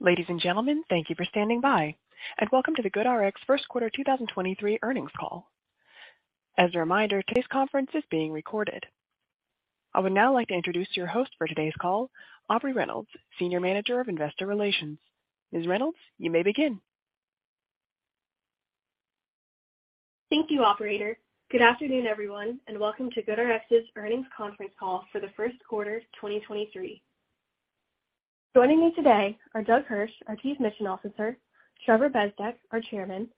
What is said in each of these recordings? Ladies and gentlemen, thank you for standing by, and welcome to the GoodRx First Quarter 2023 Earnings Call. As a reminder, today's conference is being recorded. I would now like to introduce your host for today's call, Aubrey Reynolds, Senior Manager of Investor Relations. Ms. Reynolds, you may begin. Thank you, operator. Good afternoon, everyone, welcome to GoodRx's earnings conference call for the first quarter 2023. Joining me today are Doug Hirsch, our Chief Mission Officer, Trevor Bezdek, our Chairman,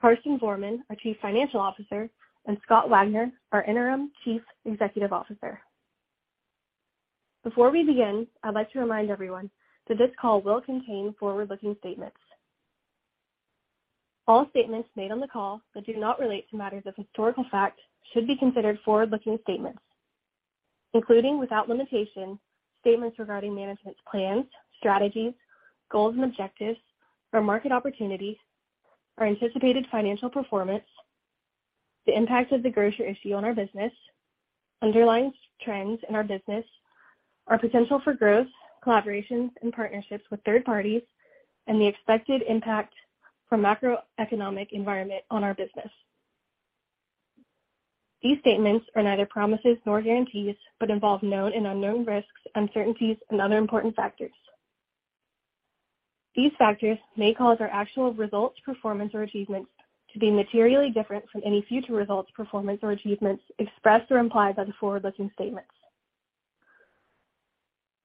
Karsten Voermann, our Chief Financial Officer, and Scott Wagner, our interim Chief Executive Officer. Before we begin, I'd like to remind everyone that this call will contain forward-looking statements. All statements made on the call that do not relate to matters of historical fact should be considered forward-looking statements, including, without limitation, statements regarding management's plans, strategies, goals and objectives or market opportunities, our anticipated financial performance, the impact of the GoodRx issue on our business, underlying trends in our business, our potential for growth, collaborations and partnerships with third parties, and the expected impact from macroeconomic environment on our business. These statements are neither promises nor guarantees, but involve known and unknown risks, uncertainties and other important factors. These factors may cause our actual results, performance or achievements to be materially different from any future results, performance or achievements expressed or implied by the forward-looking statements.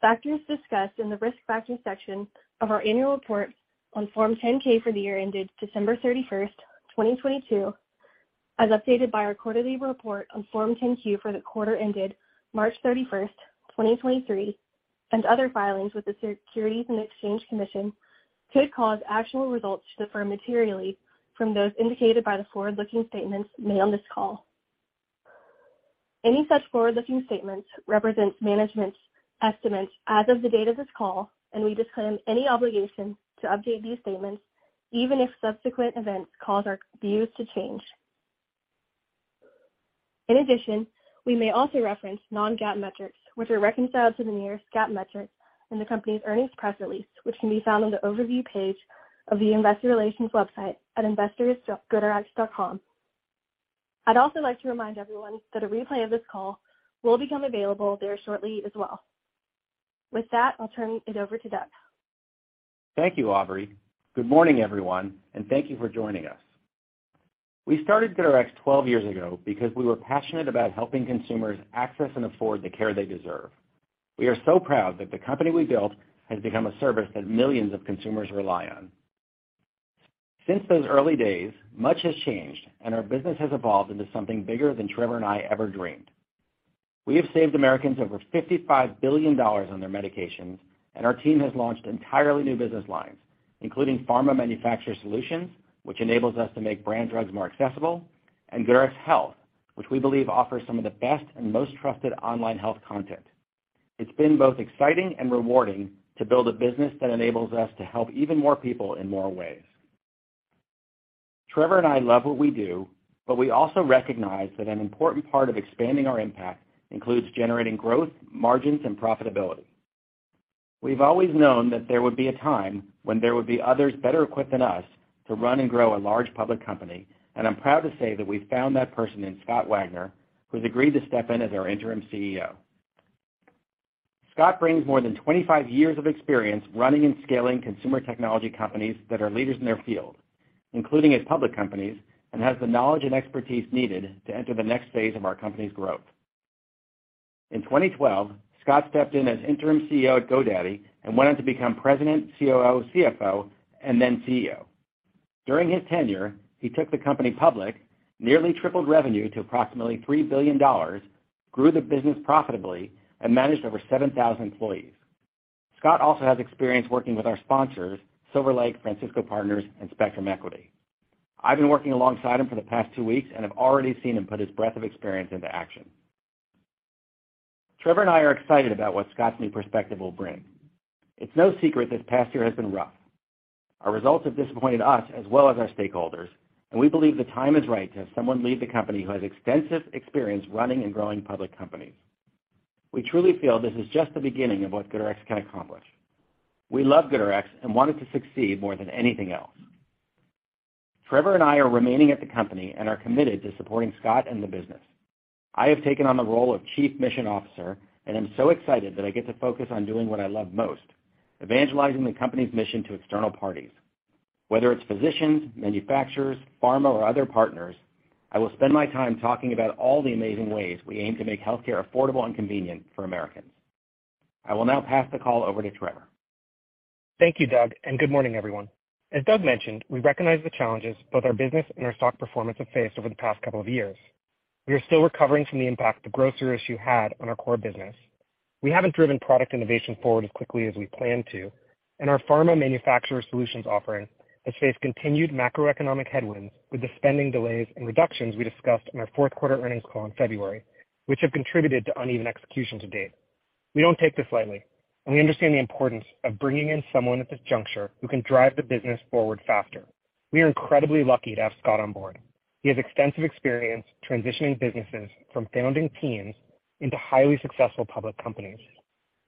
Factors discussed in the Risk Factors section of our annual report on Form 10-K for the year ended December 31st, 2022, as updated by our quarterly report on Form 10-Q for the quarter ended March 31st, 2023, and other filings with the Securities and Exchange Commission could cause actual results to differ materially from those indicated by the forward-looking statements made on this call. Any such forward-looking statements represent management's estimates as of the date of this call, and we disclaim any obligation to update these statements even if subsequent events cause our views to change. We may also reference non-GAAP metrics, which are reconciled to the nearest GAAP metric in the company's earnings press release, which can be found on the overview page of the investor relations website at investors.goodrx.com. I'd also like to remind everyone that a replay of this call will become available there shortly as well. With that, I'll turn it over to Doug. Thank you, Aubrey. Good morning, everyone, thank you for joining us. We started GoodRx 12 years ago because we were passionate about helping consumers access and afford the care they deserve. We are so proud that the company we built has become a service that millions of consumers rely on. Since those early days, much has changed and our business has evolved into something bigger than Trevor and I ever dreamed. We have saved Americans over $55 billion on their medications, our team has launched entirely new business lines, including Pharma Manufacturer Solutions, which enables us to make brand drugs more accessible, GoodRx Health, which we believe offers some of the best and most trusted online health content. It's been both exciting and rewarding to build a business that enables us to help even more people in more ways. Trevor and I love what we do, but we also recognize that an important part of expanding our impact includes generating growth, margins and profitability. We've always known that there would be a time when there would be others better equipped than us to run and grow a large public company. I'm proud to say that we found that person in Scott Wagner, who's agreed to step in as our interim CEO. Scott brings more than 25 years of experience running and scaling consumer technology companies that are leaders in their field, including at public companies, and has the knowledge and expertise needed to enter the next phase of our company's growth. In 2012, Scott stepped in as interim CEO at GoDaddy and went on to become President, COO, CFO, and then CEO. During his tenure, he took the company public, nearly tripled revenue to approximately $3 billion, grew the business profitably and managed over 7,000 employees. Scott also has experience working with our sponsors, Silver Lake, Francisco Partners and Spectrum Equity. I've been working alongside him for the past two weeks and have already seen him put his breadth of experience into action. Trevor and I are excited about what Scott's new perspective will bring. It's no secret this past year has been rough. Our results have disappointed us as well as our stakeholders. We believe the time is right to have someone lead the company who has extensive experience running and growing public companies. We truly feel this is just the beginning of what GoodRx can accomplish. We love GoodRx and want it to succeed more than anything else. Trevor and I are remaining at the company and are committed to supporting Scott and the business. I have taken on the role of Chief Mission Officer and am so excited that I get to focus on doing what I love most, evangelizing the company's mission to external parties. Whether it's physicians, manufacturers, pharma, or other partners, I will spend my time talking about all the amazing ways we aim to make healthcare affordable and convenient for Americans. I will now pass the call over to Trevor. Thank you, Doug. Good morning, everyone. As Doug mentioned, we recognize the challenges both our business and our stock performance have faced over the past couple of years. We are still recovering from the impact the grocer issue had on our core business. We haven't driven product innovation forward as quickly as we planned to, and our Pharma Manufacturer Solutions offering has faced continued macroeconomic headwinds with the spending delays and reductions we discussed in our fourth quarter earnings call in February, which have contributed to uneven execution to date. We don't take this lightly, and we understand the importance of bringing in someone at this juncture who can drive the business forward faster. We are incredibly lucky to have Scott on board. He has extensive experience transitioning businesses from founding teams into highly successful public companies.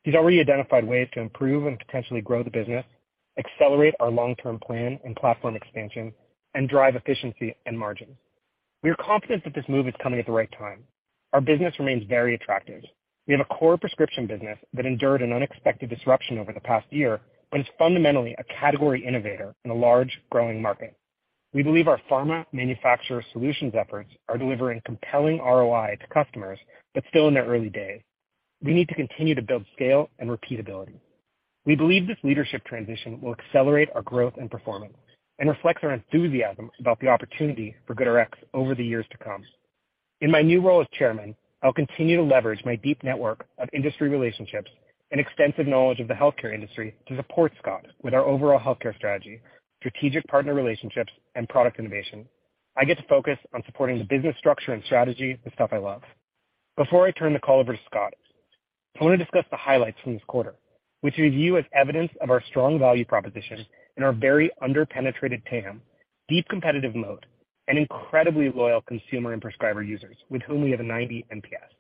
He's already identified ways to improve and potentially grow the business, accelerate our long-term plan and platform expansion, and drive efficiency and margin. We are confident that this move is coming at the right time. Our business remains very attractive. We have a core prescription business that endured an unexpected disruption over the past year, but is fundamentally a category innovator in a large growing market. We believe our Pharma Manufacturer Solutions efforts are delivering compelling ROI to customers, but still in their early days. We need to continue to build scale and repeatability. We believe this leadership transition will accelerate our growth and performance and reflects our enthusiasm about the opportunity for GoodRx over the years to come. In my new role as Chairman, I'll continue to leverage my deep network of industry relationships and extensive knowledge of the healthcare industry to support Scott with our overall healthcare strategy, strategic partner relationships and product innovation. I get to focus on supporting the business structure and strategy, the stuff I love. Before I turn the call over to Scott, I want to discuss the highlights from this quarter, which we view as evidence of our strong value proposition and our very under-penetrated TAM, deep competitive moat, and incredibly loyal consumer and prescriber users with whom we have a 90 NPS.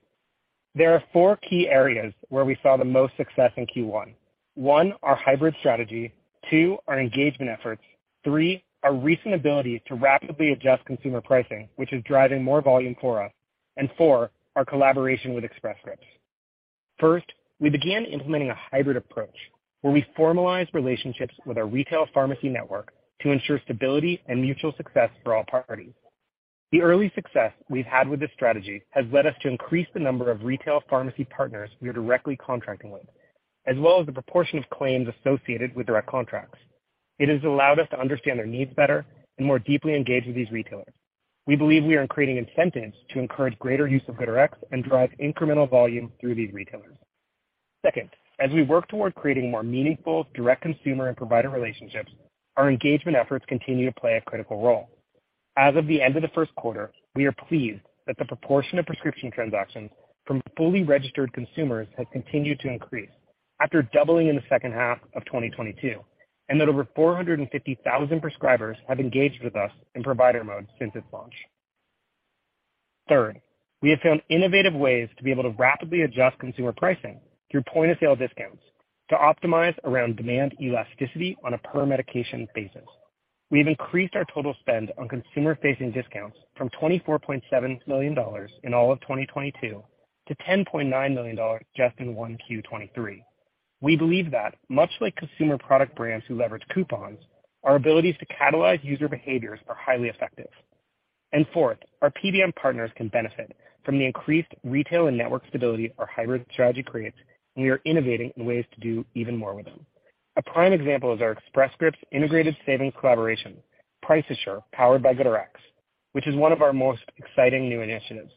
There are four key areas where we saw the most success in Q1. One, our hybrid strategy. Two, our engagement efforts. Three, our recent ability to rapidly adjust consumer pricing, which is driving more volume for us. Four, our collaboration with Express Scripts. We began implementing a hybrid approach where we formalize relationships with our retail pharmacy network to ensure stability and mutual success for all parties. The early success we've had with this strategy has led us to increase the number of retail pharmacy partners we are directly contracting with, as well as the proportion of claims associated with direct contracts. It has allowed us to understand their needs better and more deeply engage with these retailers. We believe we are creating incentives to encourage greater use of GoodRx and drive incremental volume through these retailers. As we work toward creating more meaningful direct consumer and provider relationships, our engagement efforts continue to play a critical role. As of the end of the first quarter, we are pleased that the proportion of prescription transactions from fully registered consumers has continued to increase after doubling in the second half of 2022, and that over 450,000 prescribers have engaged with us in Provider Mode since its launch. Third, we have found innovative ways to be able to rapidly adjust consumer pricing through point of sale discounts to optimize around demand elasticity on a per medication basis. We've increased our total spend on consumer-facing discounts from $24.7 million in all of 2022 to $10.9 million just in 1Q 2023. We believe that much like consumer product brands who leverage coupons, our abilities to catalyze user behaviors are highly effective. Fourth, our PBM partners can benefit from the increased retail and network stability our hybrid strategy creates, and we are innovating in ways to do even more with them. A prime example is our Express Scripts integrated savings collaboration, Price Assure, powered by GoodRx, which is one of our most exciting new initiatives.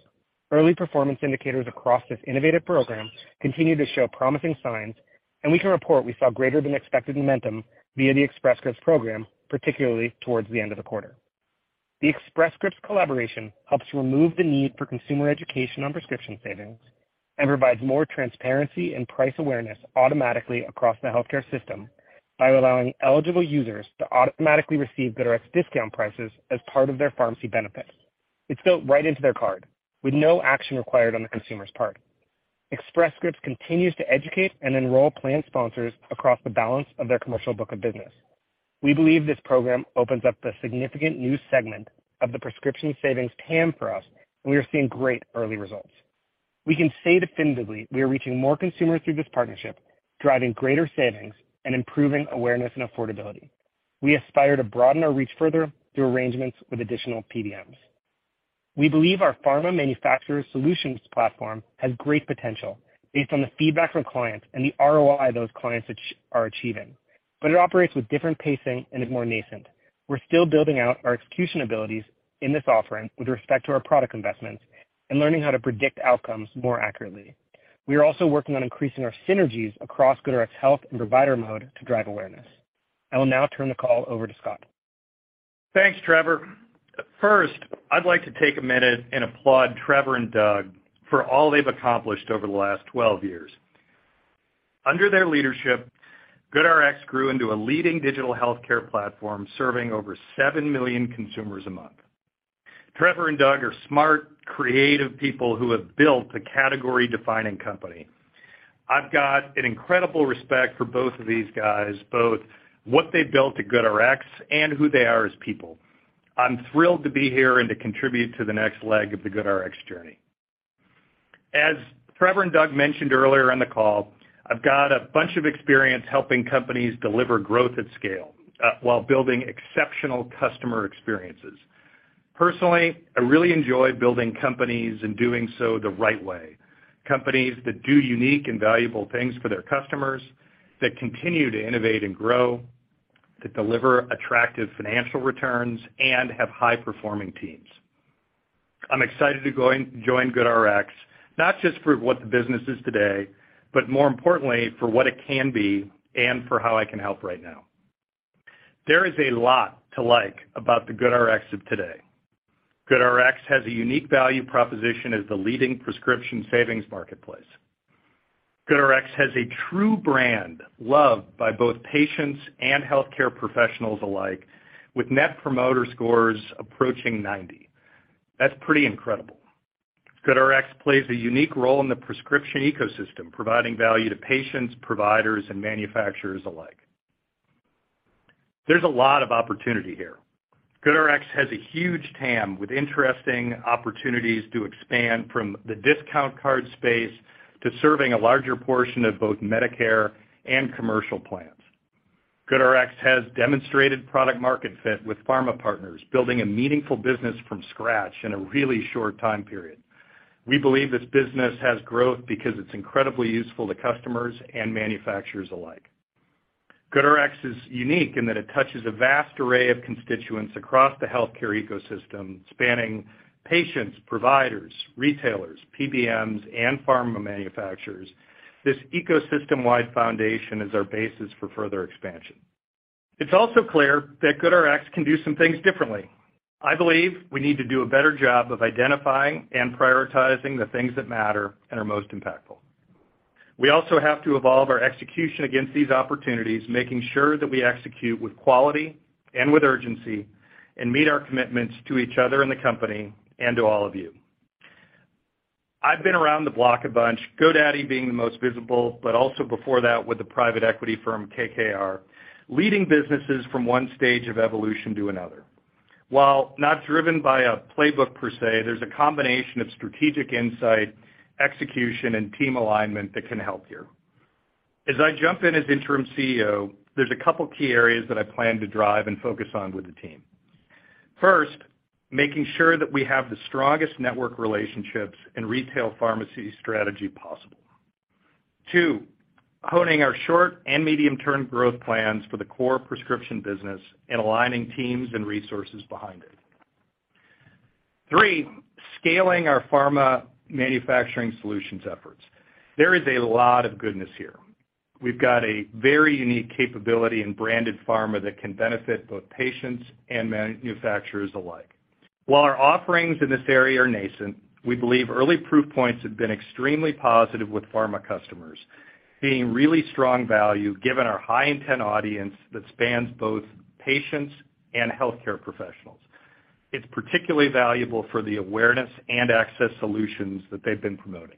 Early performance indicators across this innovative program continue to show promising signs, and we can report we saw greater than expected momentum via the Express Scripts program, particularly towards the end of the quarter. The Express Scripts collaboration helps remove the need for consumer education on prescription savings and provides more transparency and price awareness automatically across the healthcare system by allowing eligible users to automatically receive GoodRx discount prices as part of their pharmacy benefits. It's built right into their card with no action required on the consumer's part. Express Scripts continues to educate and enroll plan sponsors across the balance of their commercial book of business. We believe this program opens up the significant new segment of the prescription savings TAM for us, and we are seeing great early results. We can say definitively we are reaching more consumers through this partnership, driving greater savings and improving awareness and affordability. We aspire to broaden our reach further through arrangements with additional PBMs. We believe our Pharma Manufacturer Solutions platform has great potential based on the feedback from clients and the ROI those clients are achieving, but it operates with different pacing and is more nascent. We're still building out our execution abilities in this offering with respect to our product investments and learning how to predict outcomes more accurately. We are also working on increasing our synergies across GoodRx Health and Provider Mode to drive awareness. I will now turn the call over to Scott. Thanks, Trevor. First, I'd like to take a minute and applaud Trevor and Doug for all they've accomplished over the last 12 years. Under their leadership, GoodRx grew into a leading digital healthcare platform serving over 7 million consumers a month. Trevor and Doug are smart, creative people who have built a category-defining company. I've got an incredible respect for both of these guys, both what they built at GoodRx and who they are as people. I'm thrilled to be here and to contribute to the next leg of the GoodRx journey. As Trevor and Doug mentioned earlier on the call, I've got a bunch of experience helping companies deliver growth at scale while building exceptional customer experiences. Personally, I really enjoy building companies and doing so the right way. Companies that do unique and valuable things for their customers, that continue to innovate and grow, that deliver attractive financial returns, and have high-performing teams. I'm excited to go and join GoodRx not just for what the business is today, but more importantly for what it can be and for how I can help right now. There is a lot to like about the GoodRx of today. GoodRx has a unique value proposition as the leading prescription savings marketplace. GoodRx has a true brand loved by both patients and healthcare professionals alike, with Net Promoter Scores approaching 90. That's pretty incredible. GoodRx plays a unique role in the prescription ecosystem, providing value to patients, providers, and manufacturers alike. There's a lot of opportunity here. GoodRx has a huge TAM with interesting opportunities to expand from the discount card space to serving a larger portion of both Medicare and commercial plans. GoodRx has demonstrated product market fit with pharma partners, building a meaningful business from scratch in a really short time period. We believe this business has growth because it's incredibly useful to customers and manufacturers alike. GoodRx is unique in that it touches a vast array of constituents across the healthcare ecosystem, spanning patients, providers, retailers, PBMs, and pharma manufacturers. This ecosystem-wide foundation is our basis for further expansion. It's also clear that GoodRx can do some things differently. I believe we need to do a better job of identifying and prioritizing the things that matter and are most impactful. We also have to evolve our execution against these opportunities, making sure that we execute with quality and with urgency and meet our commitments to each other in the company and to all of you. I've been around the block a bunch, GoDaddy being the most visible, but also before that with the private equity firm KKR, leading businesses from one stage of evolution to another. While not driven by a playbook per se, there's a combination of strategic insight, execution, and team alignment that can help here. As I jump in as Interim CEO, there's a couple key areas that I plan to drive and focus on with the team. First, making sure that we have the strongest network relationships and retail pharmacy strategy possible. Two, honing our short and medium-term growth plans for the core prescription business and aligning teams and resources behind it. Three, scaling our Pharma Manufacturer Solutions efforts. There is a lot of goodness here. We've got a very unique capability in branded pharma that can benefit both patients and manufacturers alike. While our offerings in this area are nascent, we believe early proof points have been extremely positive with pharma customers, being really strong value given our high intent audience that spans both patients and healthcare professionals. It's particularly valuable for the awareness and access solutions that they've been promoting.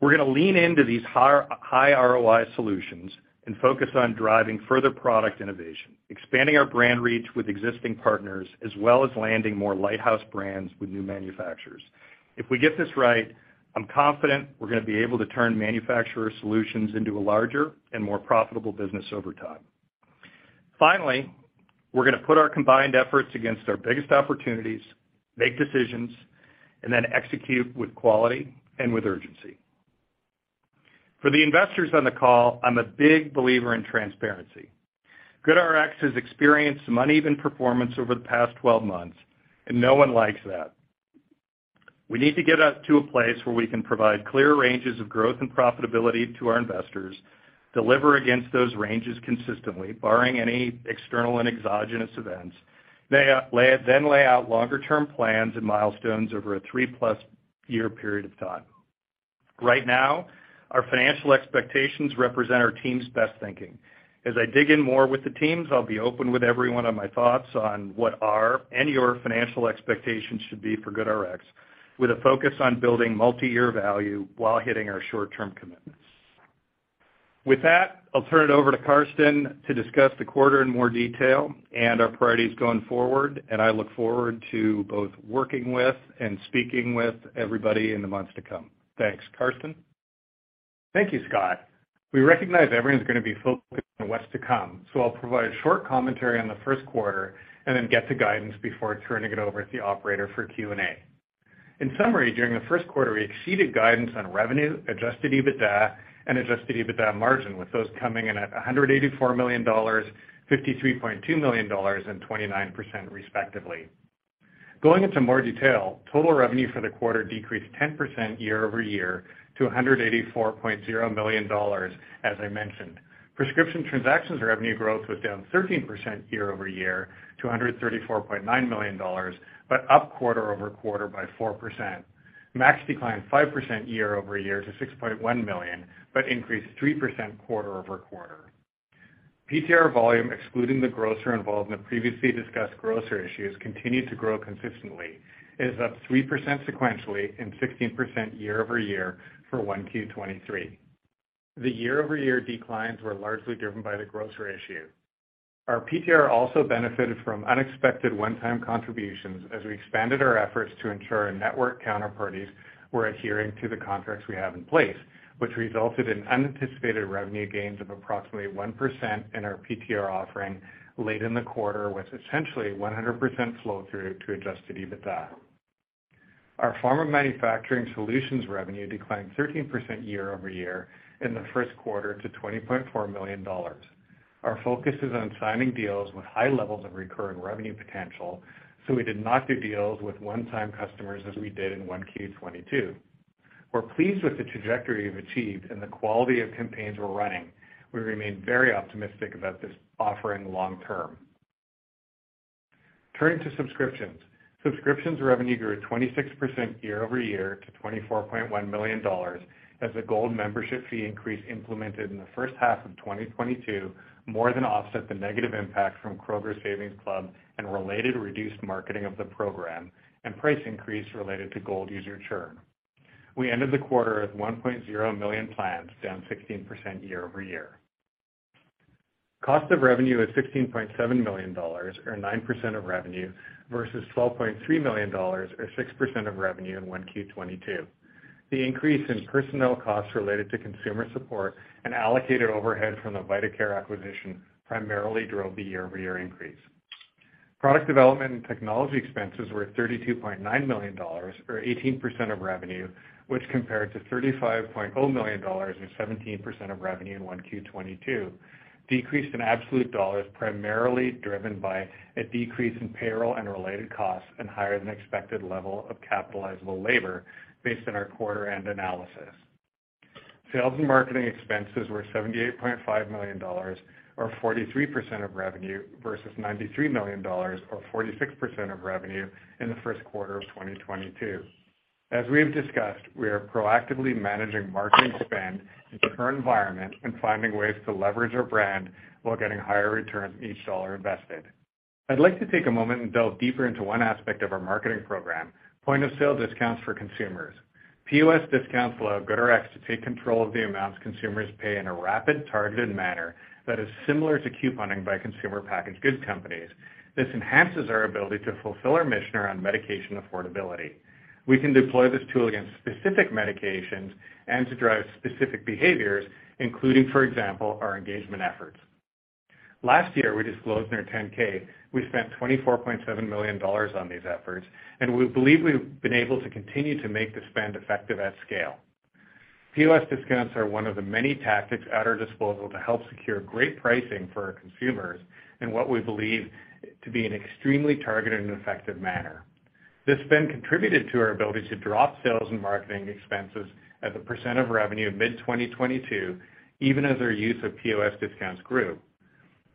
We're gonna lean into these high ROI solutions and focus on driving further product innovation, expanding our brand reach with existing partners, as well as landing more lighthouse brands with new manufacturers. If we get this right, I'm confident we're gonna be able to turn Manufacturer Solutions into a larger and more profitable business over time. We're gonna put our combined efforts against our biggest opportunities, make decisions, and then execute with quality and with urgency. For the investors on the call, I'm a big believer in transparency. GoodRx has experienced some uneven performance over the past 12 months, and no one likes that. We need to get up to a place where we can provide clear ranges of growth and profitability to our investors, deliver against those ranges consistently, barring any external and exogenous events, then lay out longer term plans and milestones over a 3+ year period of time. Right now, our financial expectations represent our team's best thinking. As I dig in more with the teams, I'll be open with everyone on my thoughts on what our and your financial expectations should be for GoodRx, with a focus on building multiyear value while hitting our short-term commitments. With that, I'll turn it over to Karsten to discuss the quarter in more detail and our priorities going forward. I look forward to both working with and speaking with everybody in the months to come. Thanks. Karsten? Thank you, Scott. We recognize everyone's going to be focused on what's to come, so I'll provide a short commentary on the first quarter and then get to guidance before turning it over to the operator for Q&A. In summary, during the first quarter, we exceeded guidance on revenue, adjusted EBITDA, and adjusted EBITDA margin, with those coming in at $184 million, $53.2 million, and 29% respectively. Going into more detail, total revenue for the quarter decreased 10% year-over-year to $184.0 million, as I mentioned. Prescription transactions revenue growth was down 13% year-over-year to $134.9 million, but up quarter-over-quarter by 4%. MAU declined 5% year-over-year to $6.1 million, but increased 3% quarter-over-quarter. PTR volume, excluding the grocer involved in the previously discussed grocer issues, continued to grow consistently. It is up 3% sequentially and 16% year-over-year for 1 Q 2023. The year-over-year declines were largely driven by the grocer issue. Our PTR also benefited from unexpected one-time contributions as we expanded our efforts to ensure our network counterparties were adhering to the contracts we have in place, which resulted in unanticipated revenue gains of approximately 1% in our PTR offering late in the quarter, with essentially 100% flow through to adjusted EBITDA. Our Pharma Manufacturer Solutions revenue declined 13% year-over-year in the first quarter to $24 million. Our focus is on signing deals with high levels of recurring revenue potential, so we did not do deals with one-time customers as we did in 1 Q 2022. We're pleased with the trajectory we've achieved and the quality of campaigns we're running. We remain very optimistic about this offering long term. Turning to subscriptions. Subscriptions revenue grew 26% year-over-year to $24.1 million as the Gold membership fee increase implemented in the first half of 2022 more than offset the negative impact from Kroger Savings Club and related reduced marketing of the program and price increase related to Gold user churn. We ended the quarter at 1.0 million plans, down 16% year-over-year. Cost of revenue is $16.7 million, or 9% of revenue, versus $12.3 million, or 6% of revenue in 1Q 2022. The increase in personnel costs related to consumer support and allocated overhead from the vitaCare acquisition primarily drove the year-over-year increase. Product development and technology expenses were $32.9 million, or 18% of revenue, which compared to $35.0 million, or 17% of revenue in 1Q 2022, decreased in absolute dollars primarily driven by a decrease in payroll and related costs and higher than expected level of capitalizable labor based on our quarter-end analysis. Sales and marketing expenses were $78.5 million or 43% of revenue versus $93 million or 46% of revenue in the first quarter of 2022. As we have discussed, we are proactively managing marketing spend in the current environment and finding ways to leverage our brand while getting higher returns each dollar invested. I'd like to take a moment and delve deeper into one aspect of our marketing program, point-of-sale discounts for consumers. POS discounts allow GoodRx to take control of the amounts consumers pay in a rapid, targeted manner that is similar to couponing by consumer packaged goods companies. This enhances our ability to fulfill our mission around medication affordability. We can deploy this tool against specific medications and to drive specific behaviors, including, for example, our engagement efforts. Last year, we disclosed in our 10-K, we spent $24.7 million on these efforts. We believe we've been able to continue to make the spend effective at scale. POS discounts are one of the many tactics at our disposal to help secure great pricing for our consumers in what we believe to be an extremely targeted and effective manner. This spend contributed to our ability to drop sales and marketing expenses as a percent of revenue mid-2022, even as our use of POS discounts grew.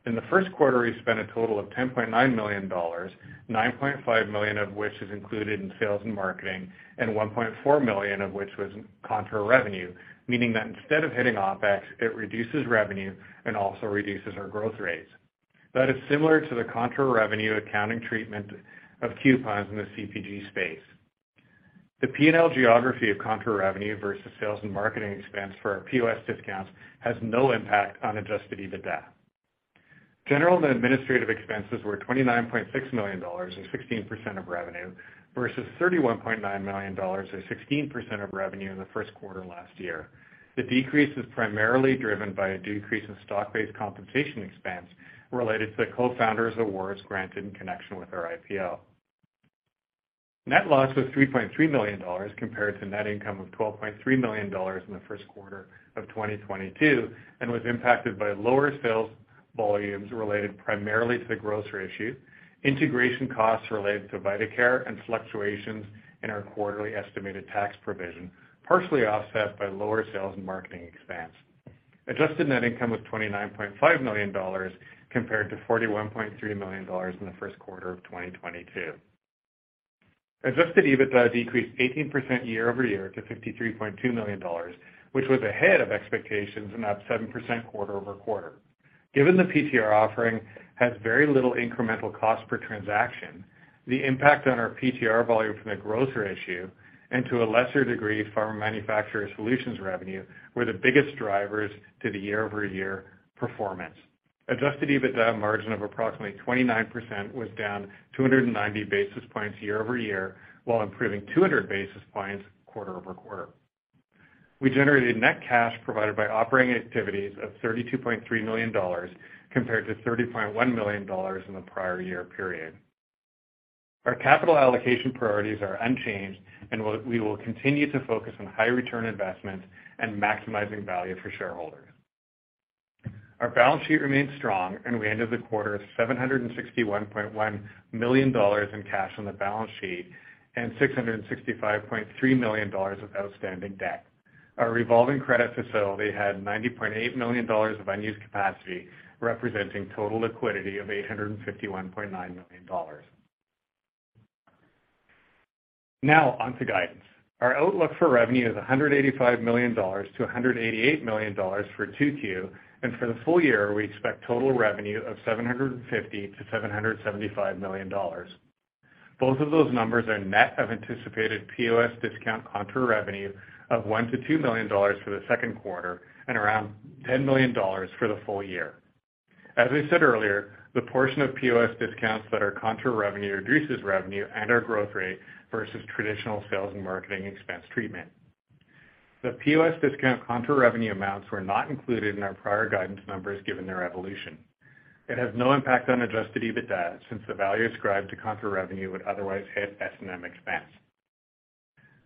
In the first quarter, we spent a total of $10.9 million, $9.5 million of which is included in sales and marketing, and $1.4 million of which was contra-revenue, meaning that instead of hitting OpEx, it reduces revenue and also reduces our growth rates. That is similar to the contra-revenue accounting treatment of coupons in the CPG space. The P&L geography of contra-revenue versus sales and marketing expense for our POS discounts has no impact on adjusted EBITDA. General and administrative expenses were $29.6 million, or 16% of revenue, versus $31.9 million, or 16% of revenue in the first quarter last year. The decrease is primarily driven by a decrease in stock-based compensation expense related to the co-founders awards granted in connection with our IPO. Net loss was $3.3 million compared to net income of $12.3 million in the first quarter of 2022, and was impacted by lower sales volumes related primarily to the grocer issue, integration costs related to vitaCare, and fluctuations in our quarterly estimated tax provision, partially offset by lower sales and marketing expense. Adjusted net income was $29.5 million compared to $41.3 million in the first quarter of 2022. Adjusted EBITDA decreased 18% year-over-year to $53.2 million, which was ahead of expectations and up 7% quarter-over-quarter. Given the PTR offering has very little incremental cost per transaction, the impact on our PTR volume from the grocer issue, and to a lesser degree, Pharma Manufacturer Solutions revenue, were the biggest drivers to the year-over-year performance. Adjusted EBITDA margin of approximately 29% was down 290 basis points year-over-year, while improving 200 basis points quarter-over-quarter. We generated net cash provided by operating activities of $32.3 million compared to $30.1 million in the prior year period. Our capital allocation priorities are unchanged and we will continue to focus on high return investments and maximizing value for shareholders. Our balance sheet remains strong, and we ended the quarter at $761.1 million in cash on the balance sheet and $665.3 million of outstanding debt. Our revolving credit facility had $90.8 million of unused capacity, representing total liquidity of $851.9 million. Now on to guidance. Our outlook for revenue is $185 million to $188 million for 2Q. For the full year, we expect total revenue of $750 million to $775 million. Both of those numbers are net of anticipated POS discount contra-revenue of $1 million to $2 million for the second quarter and around $10 million for the full year. As I said earlier, the portion of POS discounts that are contra-revenue reduces revenue and our growth rate versus traditional sales and marketing expense treatment. The POS discount contra-revenue amounts were not included in our prior guidance numbers given their evolution. It has no impact on adjusted EBITDA since the value ascribed to contra-revenue would otherwise hit S&M expense.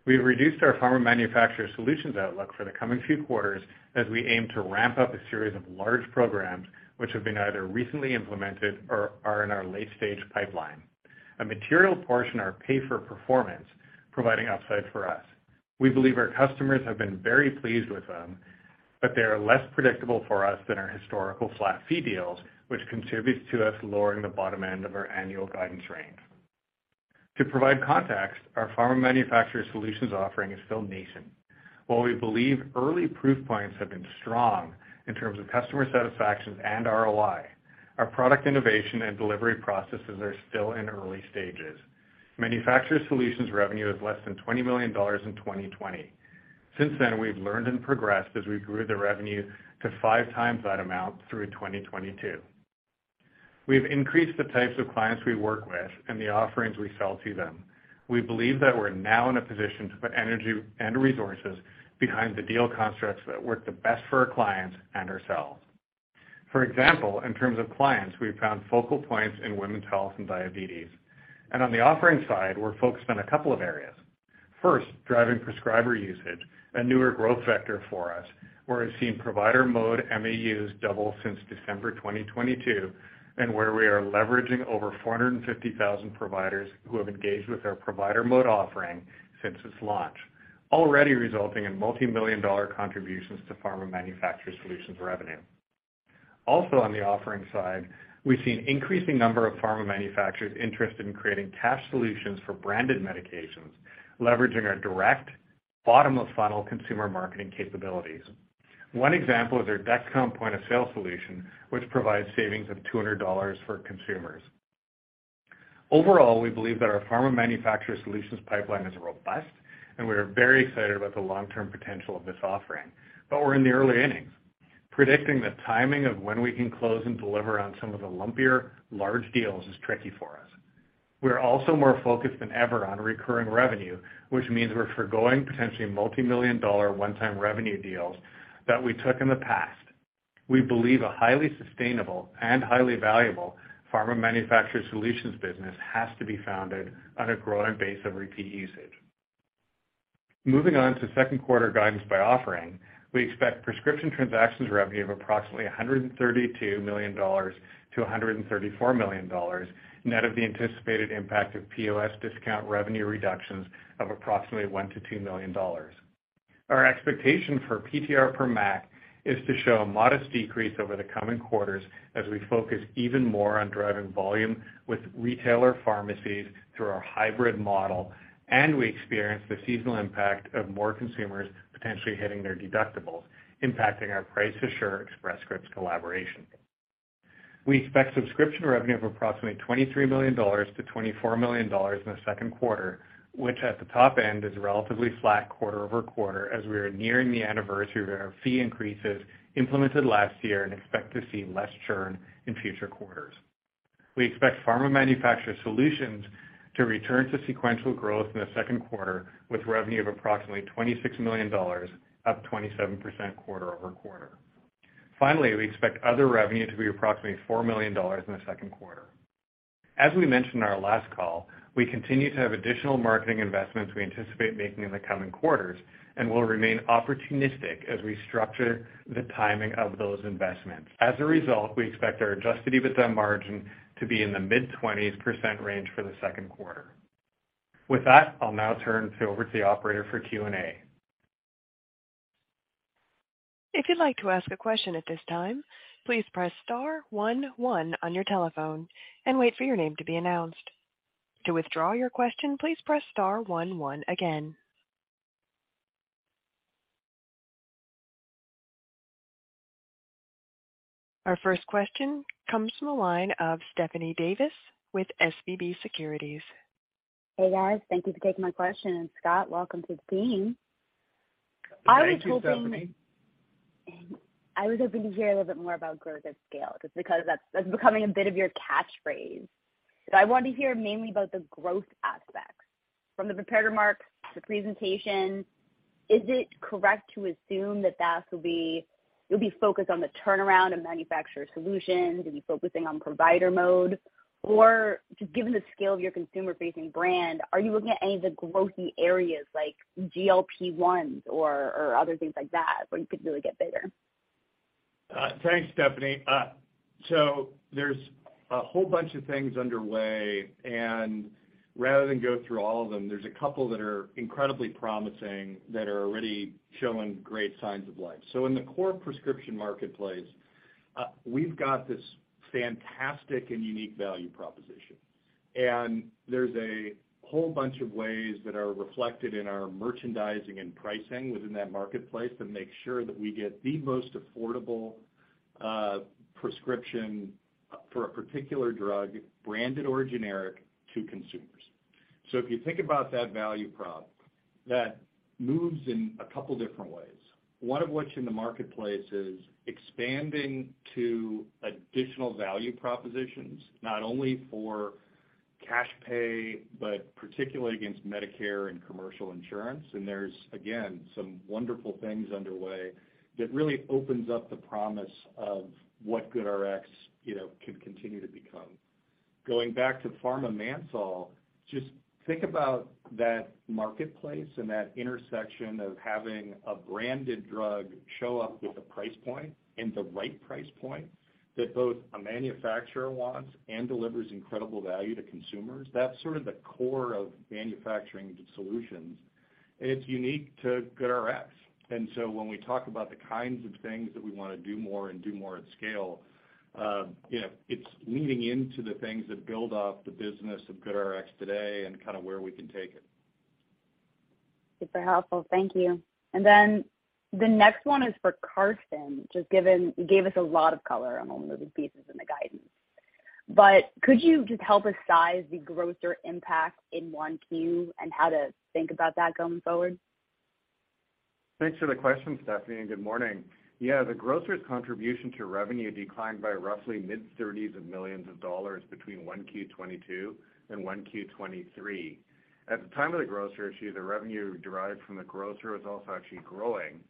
We've reduced our Pharma Manufacturer Solutions outlook for the coming few quarters as we aim to ramp up a series of large programs which have been either recently implemented or are in our late-stage pipeline. A material portion are pay for performance, providing upside for us. We believe our customers have been very pleased with them, they are less predictable for us than our historical flat fee deals, which contributes to us lowering the bottom end of our annual guidance range. To provide context, our Pharma Manufacturer Solutions offering is still nascent. While we believe early proof points have been strong in terms of customer satisfaction and ROI, our product innovation and delivery processes are still in early stages. Manufacturer Solutions revenue is less than $20 million in 2020. Since then, we've learned and progressed as we grew the revenue to 5x that amount through 2022. We've increased the types of clients we work with and the offerings we sell to them. We believe that we're now in a position to put energy and resources behind the deal constructs that work the best for our clients and ourselves. For example, in terms of clients, we found focal points in women's health and diabetes. On the offering side, we're focused on a couple of areas. First, driving prescriber usage, a newer growth vector for us, where we've seen Provider Mode MAUs double since December 2022, and where we are leveraging over 450,000 providers who have engaged with our Provider Mode offering since its launch, already resulting in multi-million dollar contributions to Pharma Manufacturer Solutions revenue. On the offering side, we've seen increasing number of pharma manufacturers interested in creating cash solutions for branded medications, leveraging our direct bottom-of-funnel consumer marketing capabilities. One example is our Dexcom point-of-sale solution, which provides savings of $200 for consumers. We believe that our Pharma Manufacturer Solutions pipeline is robust, and we are very excited about the long-term potential of this offering, but we're in the early innings. Predicting the timing of when we can close and deliver on some of the lumpier large deals is tricky for us. We're also more focused than ever on recurring revenue, which means we're foregoing potentially multi-million dollar one-time revenue deals that we took in the past. We believe a highly sustainable and highly valuable Pharma Manufacturer Solutions business has to be founded on a growing base of repeat usage. Moving on to second quarter guidance by offering, we expect prescription transactions revenue of approximately $132 million-$134 million, net of the anticipated impact of POS discount revenue reductions of approximately $1 million-$2 million. Our expectation for PTR per MAC is to show a modest decrease over the coming quarters as we focus even more on driving volume with retailer pharmacies through our hybrid model, and we experience the seasonal impact of more consumers potentially hitting their deductibles, impacting our Price Assure Express Scripts collaboration. We expect subscription revenue of approximately $23 million-$24 million in the second quarter, which at the top end is relatively flat quarter-over-quarter as we are nearing the anniversary of our fee increases implemented last year and expect to see less churn in future quarters. We expect Pharma Manufacturer Solutions to return to sequential growth in the second quarter, with revenue of approximately $26 million, up 27% quarter-over-quarter. Finally, we expect other revenue to be approximately $4 million in the second quarter. As we mentioned in our last call, we continue to have additional marketing investments we anticipate making in the coming quarters and will remain opportunistic as we structure the timing of those investments. As a result, we expect our adjusted EBITDA margin to be in the mid-20s percent range for the second quarter. With that, I'll now turn it over to the operator for Q&A. If you'd like to ask a question at this time, please press star one one on your telephone and wait for your name to be announced. To withdraw your question, please press star one one again. Our first question comes from the line of Stephanie Davis with SVB Securities. Hey, guys. Thank you for taking my question. Scott, welcome to the team. Thank you, Stephanie. I was hoping to hear a little bit more about growth at scale, just because that's becoming a bit of your catchphrase. I want to hear mainly about the growth aspects. From the prepared remarks, the presentation, is it correct to assume you'll be focused on the turnaround of Manufacturer Solutions, you'll be focusing on Provider Mode? Or just given the scale of your consumer-facing brand, are you looking at any of the growthy areas like GLP-1s or other things like that where you could really get bigger? Thanks, Stephanie. There's a whole bunch of things underway, and rather than go through all of them, there's two that are incredibly promising that are already showing great signs of life. In the core prescription marketplace, we've got this fantastic and unique value proposition. There's a whole bunch of ways that are reflected in our merchandising and pricing within that marketplace to make sure that we get the most affordable prescription for a particular drug, branded or generic, to consumers. If you think about that value prop, that moves in two different ways. One of which in the marketplace is expanding to additional value propositions, not only for cash pay, but particularly against Medicare and commercial insurance. There's, again, some wonderful things underway that really opens up the promise of what GoodRx, you know, can continue to become. Going back to Pharma Manufacturer Solutions, just think about that marketplace and that intersection of having a branded drug show up with a price point and the right price point that both a manufacturer wants and delivers incredible value to consumers. That's sort of the core of Pharma Manufacturer Solutions. It's unique to GoodRx. When we talk about the kinds of things that we wanna do more and do more at scale, you know, it's leaning into the things that build off the business of GoodRx today and kinda where we can take it. Super helpful. Thank you. The next one is for Karsten. You gave us a lot of color on all of the pieces and the guidance. Could you just help us size the grocer impact in 1Q and how to think about that going forward? Thanks for the question, Stephanie. Good morning. The grocer's contribution to revenue declined by roughly mid-$30 million between 1Q 2022 and 1Q 2023. At the time of the grocer issue, the revenue derived from the grocer was also actually growing.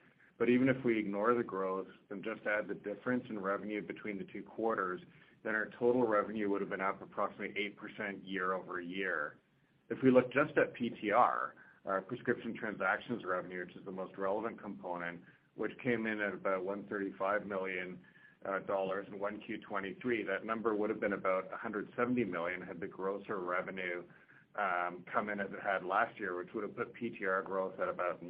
Even if we ignore the growth and just add the difference in revenue between the two quarters, then our total revenue would've been up approximately 8% year-over-year. If we look just at PTR, our prescription transactions revenue, which is the most relevant component, which came in at about $135 million in 1Q 2023, that number would've been about $170 million had the grocer revenue come in as it had last year, which would've put PTR growth at about 9%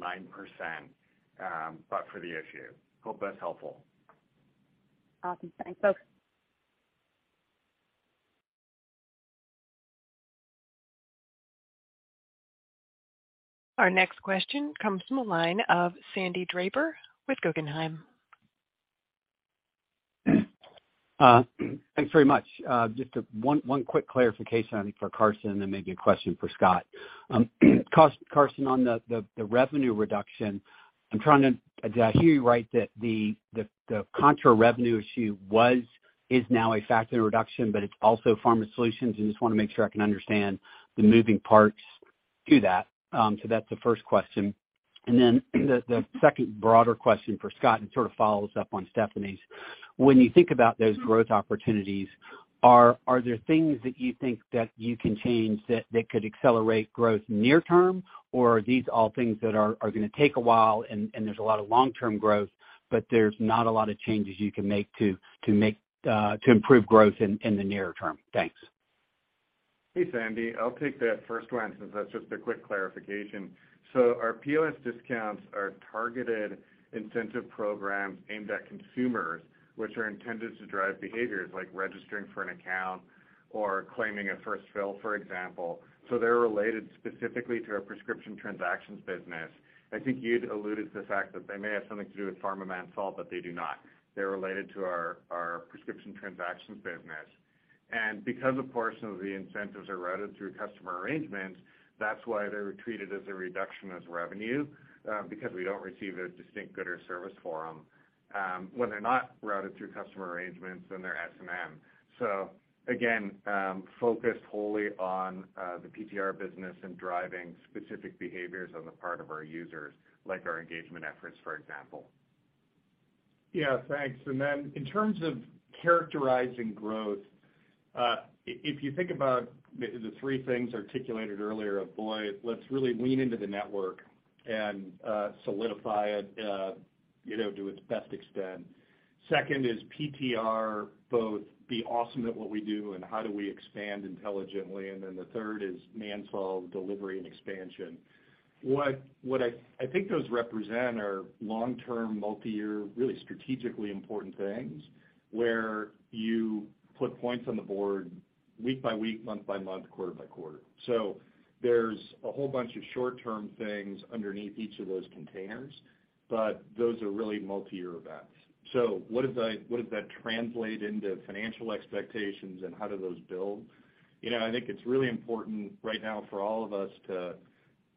but for the issue. Hope that's helpful. Awesome. Thanks, folks. Our next question comes from the line of Sandy Draper with Guggenheim. Thanks very much. Just one quick clarification for Karsten, then maybe a question for Scott. Karsten, on the revenue reduction, did I hear you right that the contra-revenue issue is now a factor in reduction, but it's also Pharma solutions? I just wanna make sure I can understand the moving parts to that. That's the first question. Then the second broader question for Scott, and sort of follows up on Stephanie's. When you think about those growth opportunities, are there things that you think that you can change that could accelerate growth near term? Are these all things that are gonna take a while and there's a lot of long-term growth, but there's not a lot of changes you can make to make to improve growth in the nearer term? Thanks. Hey, Sandy. I'll take that first one since that's just a quick clarification. Our POS discounts are targeted incentive programs aimed at consumers, which are intended to drive behaviors like registering for an account or claiming a first fill, for example. They're related specifically to our prescription transactions business. I think you'd alluded to the fact that they may have something to do with Pharma Manufacturer Solutions, but they do not. They're related to our prescription transactions business. Because a portion of the incentives are routed through customer arrangements, that's why they're treated as a reduction as revenue because we don't receive a distinct good or service for them. When they're not routed through customer arrangements, then they're S&M. Again, focused wholly on the PTR business and driving specific behaviors on the part of our users, like our engagement efforts, for example. Yeah. Thanks. In terms of characterizing growth, if you think about the three things articulated earlier of, boy, let's really lean into the network and solidify it, you know, to its best extent. Second is PTR, both be awesome at what we do and how do we expand intelligently. The third is ManSol delivery and expansion. What I think those represent are long-term, multiyear, really strategically important things, where you put points on the board week by week, month by month, quarter by quarter. There's a whole bunch of short-term things underneath each of those containers, but those are really multiyear events. What does that translate into financial expectations and how do those build? You know, I think it's really important right now for all of us to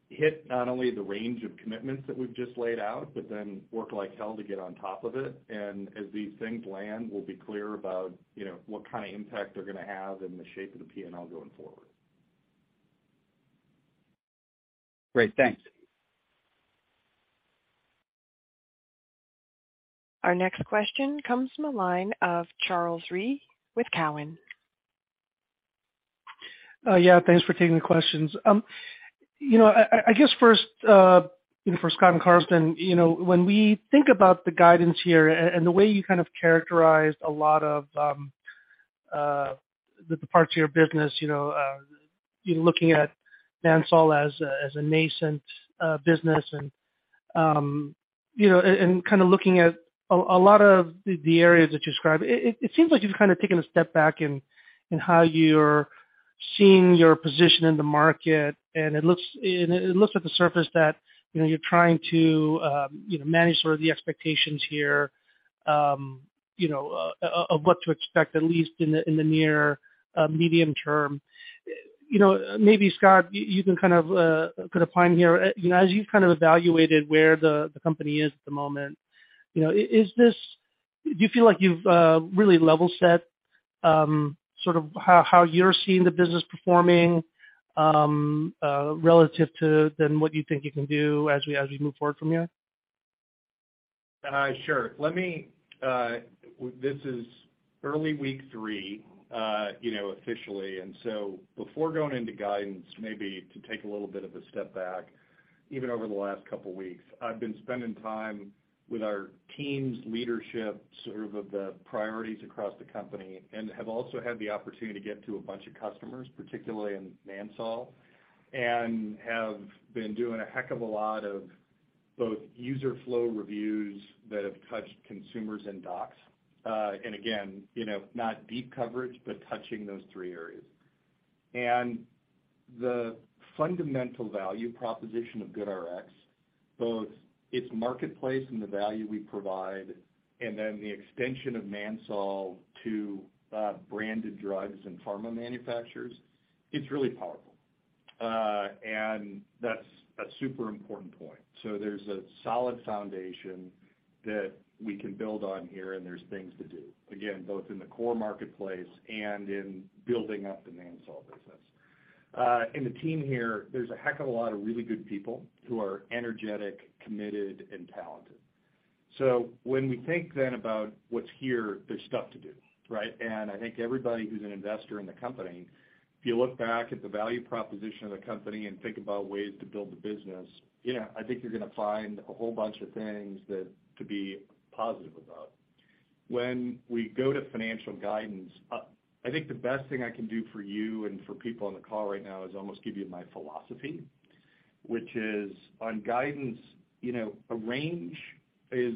hit not only the range of commitments that we've just laid out, but then work like hell to get on top of it. As these things land, we'll be clear about, you know, what kind of impact they're gonna have and the shape of the P&L going forward. Great. Thanks. Our next question comes from the line of Charles Rhyee with Cowen. Yeah, thanks for taking the questions. You know, I guess first, you know, for Scott and Karsten, you know, when we think about the guidance here and the way you kind of characterized a lot of the parts of your business, you know, you looking at Pharma Manufacturer Solutions as a nascent business and, you know, and kind of looking at a lot of the areas that you described, it seems like you've kind of taken a step back in how you're seeing your position in the market, and it looks at the surface that, you know, you're trying to manage sort of the expectations here, you know, of what to expect, at least in the near, medium term You know, maybe, Scott, you can kind of put a prime here. You know, as you've kind of evaluated where the company is at the moment, you know, Do you feel like you've really level set sort of how you're seeing the business performing relative to then what you think you can do as we move forward from here? Sure. Let me, this is early week three, you know, officially. Before going into guidance, maybe to take a little bit of a step back, even over the last couple weeks, I've been spending time with our teams, leadership, sort of the priorities across the company. Have also had the opportunity to get to a bunch of customers, particularly in ManSol. Have been doing a heck of a lot of user flow reviews that have touched consumers and docs. Again, you know, not deep coverage, but touching those three areas. The fundamental value proposition of GoodRx, both its marketplace and the value we provide, and then the extension of ManSol to branded drugs and pharma manufacturers, it's really powerful. That's a super important point. There's a solid foundation that we can build on here, and there's things to do, again, both in the core marketplace and in building up the ManSol business. The team here, there's a heck of a lot of really good people who are energetic, committed, and talented. When we think then about what's here, there's stuff to do, right? I think everybody who's an investor in the company, if you look back at the value proposition of the company and think about ways to build the business, yeah, I think you're gonna find a whole bunch of things that to be positive about. When we go to financial guidance, I think the best thing I can do for you and for people on the call right now is almost give you my philosophy, which is on guidance, you know, a range is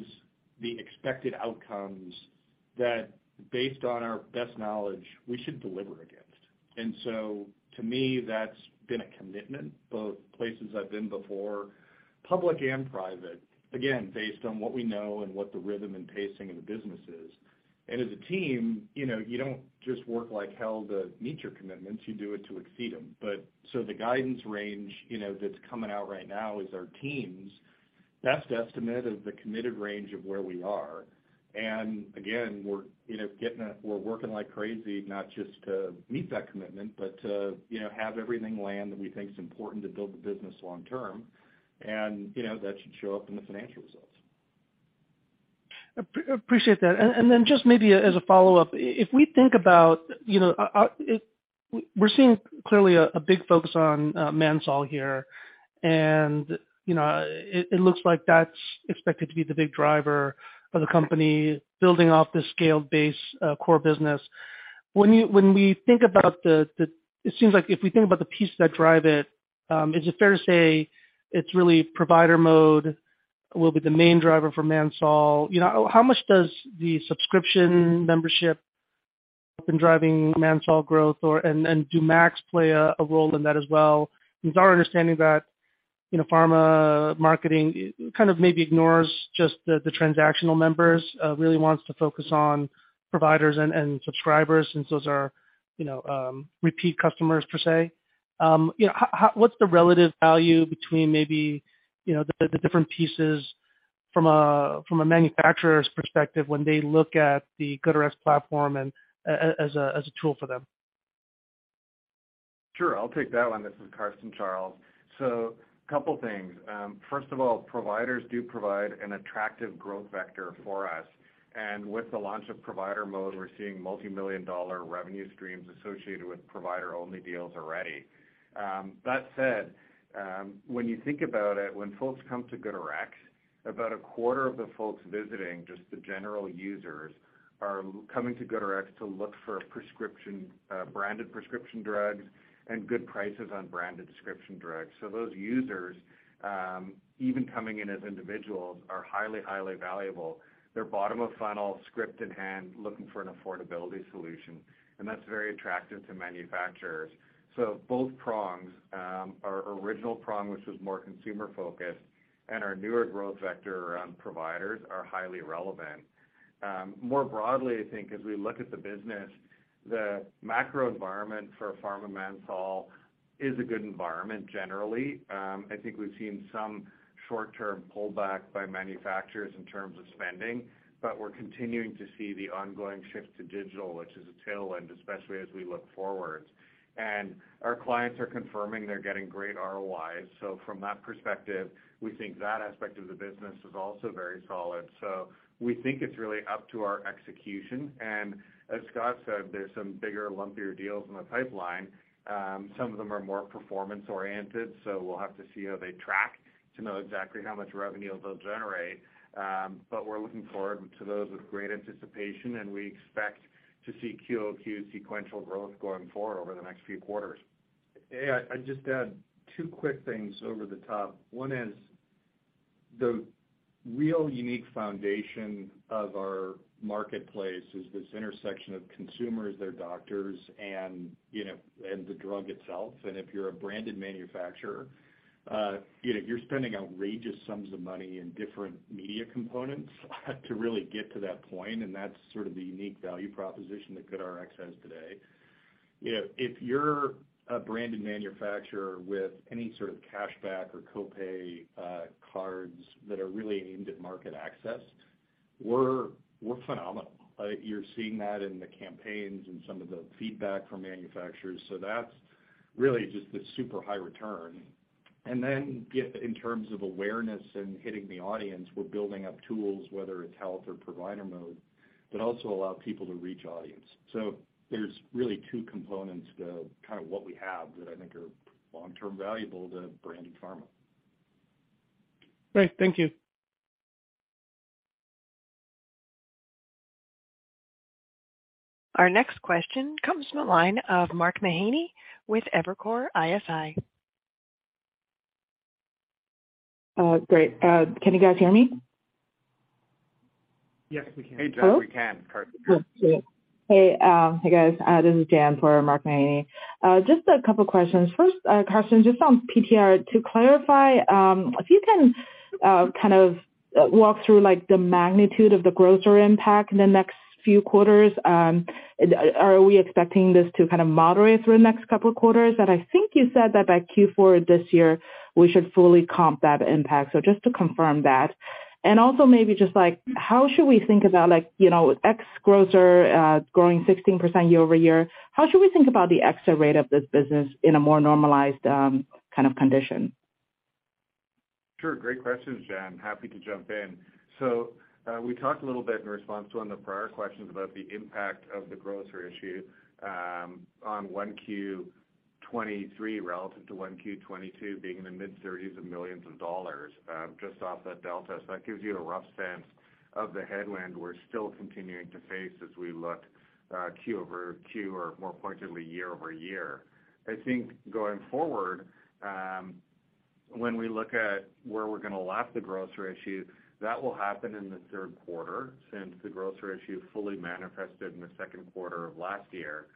the expected outcomes that based on our best knowledge, we should deliver against. To me, that's been a commitment, both places I've been before, public and private, again, based on what we know and what the rhythm and pacing in the business is. As a team, you know, you don't just work like hell to meet your commitments, you do it to exceed them. The guidance range, you know, that's coming out right now is our team's best estimate of the committed range of where we are. Again, we're, you know, we're working like crazy, not just to meet that commitment, but to, you know, have everything land that we think is important to build the business long term. You know, that should show up in the financial results. Appreciate that. Then just maybe as a follow-up, if we think about, you know, We're seeing clearly a big focus on, Mansol here, and, you know, it looks like that's expected to be the big driver of the company building off the scaled base, core business. When we think about the... It seems like if we think about the pieces that drive it, is it fair to say it's really Provider Mode will be the main driver for Mansol? You know, how much does the subscription membership been driving Mansol growth or? Do MAU play a role in that as well? It's our understanding that, you know, pharma marketing kind of maybe ignores just the transactional members, really wants to focus on providers and subscribers since those are, you know, repeat customers per se. You know, what's the relative value between maybe, you know, the different pieces from a, from a manufacturer's perspective when they look at the GoodRx platform and as a tool for them? Sure. I'll take that one. This is Karsten, Charles. Couple things. First of all, providers do provide an attractive growth vector for us. With the launch of Provider Mode, we're seeing multi-million dollar revenue streams associated with provider-only deals already. That said, when you think about it, when folks come to GoodRx, about a quarter of the folks visiting, just the general users, are coming to GoodRx to look for prescription, branded prescription drugs and good prices on branded prescription drugs. Those users, even coming in as individuals, are highly valuable. They're bottom of funnel, script in hand, looking for an affordability solution, and that's very attractive to manufacturers. Both prongs, our original prong, which was more consumer focused, and our newer growth vector around providers are highly relevant. More broadly, I think as we look at the business, the macro environment for Pharma ManSol is a good environment generally. I think we've seen some short-term pullback by manufacturers in terms of spending, but we're continuing to see the ongoing shift to digital, which is a tailwind, especially as we look forward. Our clients are confirming they're getting great ROIs. From that perspective, we think that aspect of the business is also very solid. We think it's really up to our execution. As Scott said, there's some bigger, lumpier deals in the pipeline. Some of them are more performance-oriented, so we'll have to see how they track to know exactly how much revenue they'll generate. We're looking forward to those with great anticipation, and we expect to see Q-o-Q sequential growth going forward over the next few quarters. Hey, I'd just add two quick things over the top. One is the real unique foundation of our marketplace is this intersection of consumers, their doctors, and, you know, and the drug itself. If you're a branded manufacturer, you know, you're spending outrageous sums of money in different media components to really get to that point, and that's sort of the unique value proposition that GoodRx has today. You know, if you're a branded manufacturer with any sort of cashback or co-pay cards that are really aimed at market access, we're phenomenal. You're seeing that in the campaigns and some of the feedback from manufacturers. That's really just the super high return. Then get in terms of awareness and hitting the audience, we're building up tools, whether it's GoodRx Health or Provider Mode, that also allow people to reach audience. There's really two components to kind of what we have that I think are long-term valuable to branded pharma. Great. Thank you. Our next question comes from the line of Mark Mahaney with Evercore ISI. Great. Can you guys hear me? Yes, we can. Hello? Hey, Jan, we can. Good. Great. Hey, guys. This is Jan for Mark Mahaney. Just a couple questions. First, Karsten, just on PTR, to clarify, if you can kind of walk through like the magnitude of the grocer impact in the next few quarters? Are we expecting this to kind of moderate through the next couple quarters? I think you said that by Q4 this year, we should fully comp that impact, so just to confirm that. Also maybe just, like, how should we think about, like, you know, ex-grocer, growing 16% year-over-year, how should we think about the extra rate of this business in a more normalized kind of condition? Sure. Great questions, Jan. Happy to jump in. We talked a little bit in response to one of the prior questions about the impact of the grocer issue on 1Q 2023 relative to 1Q 2022 being in the mid-30s of millions of dollars, just off that delta. That gives you a rough sense of the headwind we're still continuing to face as we look quarter-over-quarter or more pointedly, year-over-year. I think going forward, when we look at where we're gonna lap the grocer issue, that will happen in the third quarter since the grocer issue fully manifested in the second quarter of last year.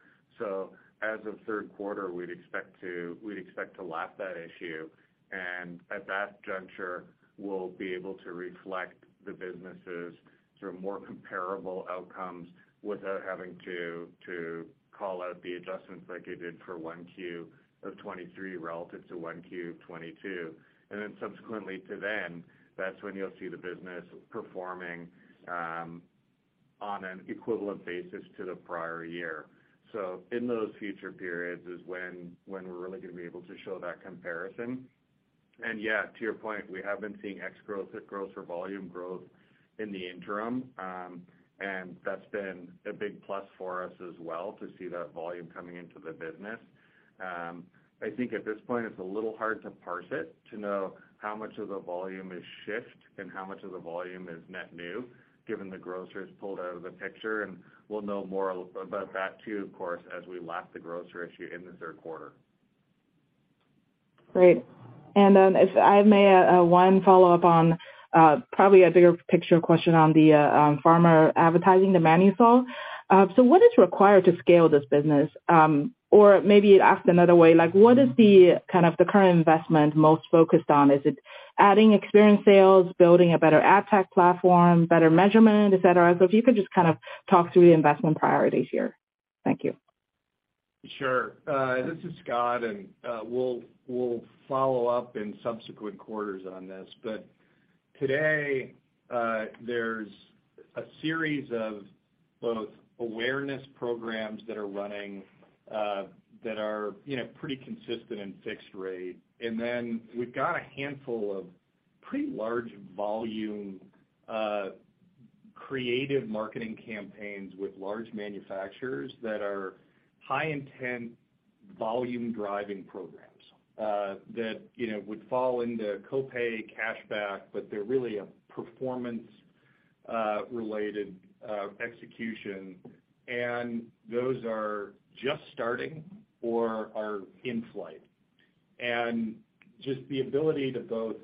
As of third quarter, we'd expect to lap that issue, and at that juncture, we'll be able to reflect the businesses through more comparable outcomes without having to call out the adjustments like you did for 1Q of 2023 relative to 1Q of 2022. Subsequently to then, that's when you'll see the business performing on an equivalent basis to the prior year. In those future periods is when we're really gonna be able to show that comparison. Yeah, to your point, we have been seeing ex-grocer volume growth in the interim, and that's been a big plus for us as well to see that volume coming into the business. I think at this point, it's a little hard to parse it to know how much of the volume is shift and how much of the volume is net new given the grocers pulled out of the picture. We'll know more about that too, of course, as we lap the grocer issue in the third quarter. Great. If I may, one follow-up on probably a bigger picture question on the pharma advertising, the ManSol. What is required to scale this business? Or maybe asked another way, like, what is the, kind of the current investment most focused on? Is it adding experienced sales, building a better ad tech platform, better measurement, et cetera? If you could just kind of talk through the investment priorities here. Thank you. Sure. This is Scott, and we'll follow up in subsequent quarters on this. Today, there's a series of both awareness programs that are running, you know, pretty consistent in fixed rate. Then we've got a handful of pretty large volume, creative marketing campaigns with large manufacturers that are high intent, volume driving programs, that, you know, would fall into co-pay cashback, but they're really a performance, related, execution, and those are just starting or are in flight. Just the ability to both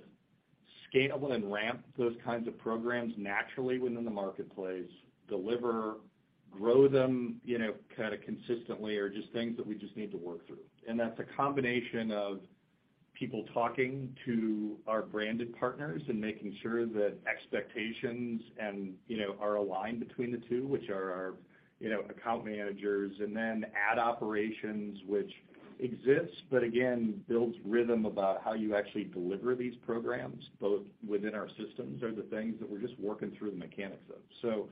scale and ramp those kinds of programs naturally within the marketplace, deliver, grow them, you know, kinda consistently, are just things that we just need to work through. That's a combination of people talking to our branded partners and making sure that expectations and, you know, are aligned between the two, which are our, you know, account managers. Then ad operations, which exists, but again, builds rhythm about how you actually deliver these programs both within our systems, are the things that we're just working through the mechanics of.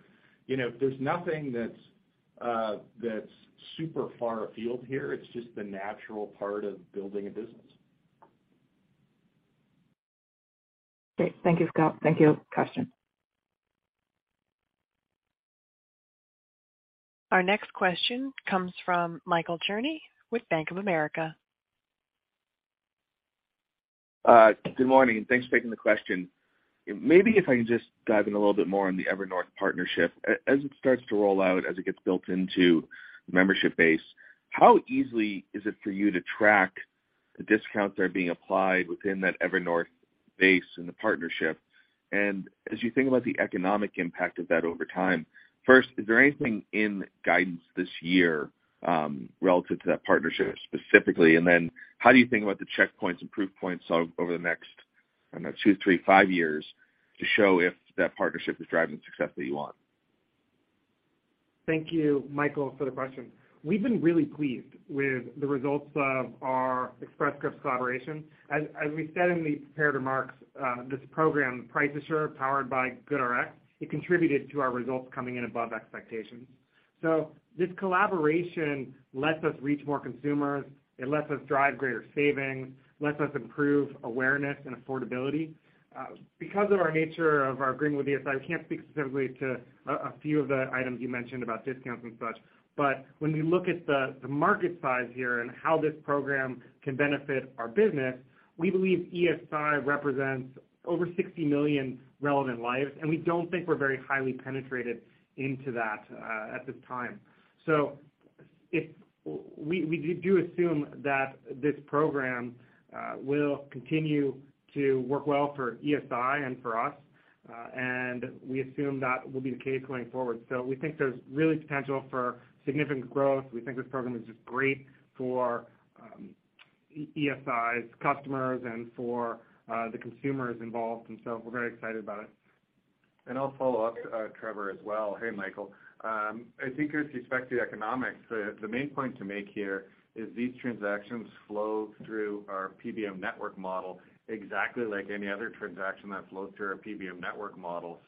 You know, there's nothing that's super far afield here. It's just the natural part of building a business. Great. Thank you, Scott. Thank you, Karsten. Our next question comes from Michael Cherny with Bank of America. Good morning. Thanks for taking the question. Maybe if I can just dive in a little bit more on the Evernorth partnership. As it starts to roll out, as it gets built into the membership base, how easily is it for you to track the discounts that are being applied within that Evernorth base and the partnership? As you think about the economic impact of that over time, first, is there anything in guidance this year relative to that partnership specifically? Then how do you think about the checkpoints and proof points over the next, I don't know, two, three, five years to show if that partnership is driving the success that you want? Thank you, Michael, for the question. We've been really pleased with the results of our Express Scripts collaboration. As we said in the prepared remarks, this program, Price Assure, powered by GoodRx, it contributed to our results coming in above expectations. This collaboration lets us reach more consumers, it lets us drive greater savings, lets us improve awareness and affordability. Because of our nature of our agreement with ESI, I can't speak specifically to a few of the items you mentioned about discounts and such. When we look at the market size here and how this program can benefit our business, we believe ESI represents over 60 million relevant lives, and we don't think we're very highly penetrated into that at this time. We do assume that this program will continue to work well for ESI and for us, and we assume that will be the case going forward. We think there's really potential for significant growth. We think this program is just great for ESI's customers and for the consumers involved. We're very excited about it. I'll follow up, Trevor as well. Hey, Michael. I think with respect to economics, the main point to make here is these transactions flow through our PBM network model exactly like any other transaction that flows through our PBM network model.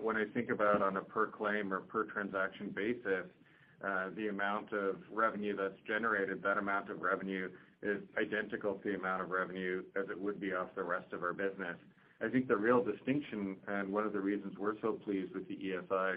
When I think about on a per claim or per transaction basis, the amount of revenue that's generated, that amount of revenue is identical to the amount of revenue as it would be off the rest of our business. I think the real distinction, one of the reasons we're so pleased with the ESI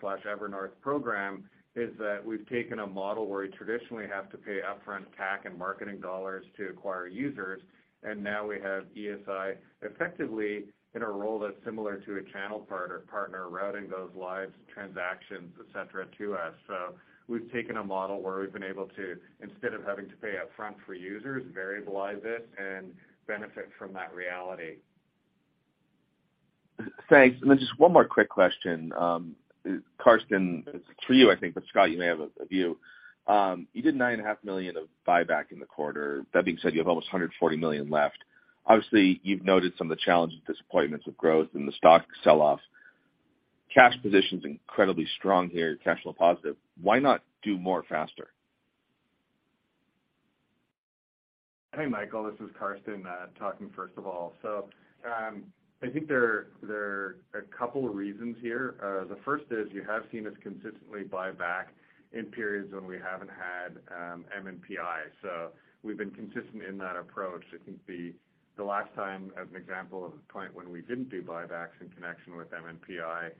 slash Evernorth program, is that we've taken a model where we traditionally have to pay upfront CAC and marketing dollars to acquire users, and now we have ESI effectively in a role that's similar to a channel partner, routing those lives, transactions, et cetera, to us. We've taken a model where we've been able to, instead of having to pay upfront for users, variablize it and benefit from that reality. Thanks. Just one more quick question. Karsten, it's for you, I think, but Scott, you may have a view. You did $9.5 million of buyback in the quarter. That being said, you have almost $140 million left. Obviously, you've noted some of the challenges, disappointments with growth and the stock sell-off. Cash position's incredibly strong here, cash flow positive. Why not do more faster? Hey, Michael, this is Karsten, talking first of all. I think there are a couple of reasons here. The first is you have seen us consistently buy back in periods when we haven't had MNPI. We've been consistent in that approach. I think the last time, as an example of a point when we didn't do buybacks in connection with MNPI,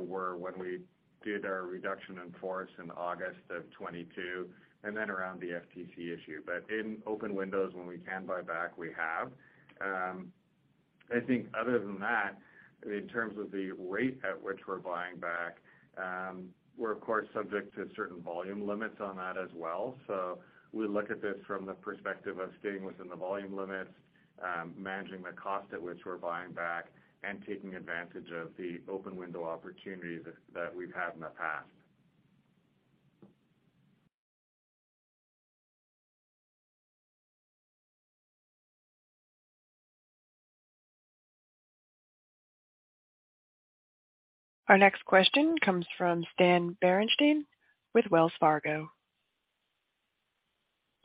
were when we did our reduction in force in August of 2022 and then around the FTC issue. In open windows, when we can buy back, we have. I think other than that, in terms of the rate at which we're buying back, we're of course subject to certain volume limits on that as well. We look at this from the perspective of staying within the volume limits, managing the cost at which we're buying back and taking advantage of the open window opportunities that we've had in the past. Our next question comes from Stan Berenshteyn with Wells Fargo.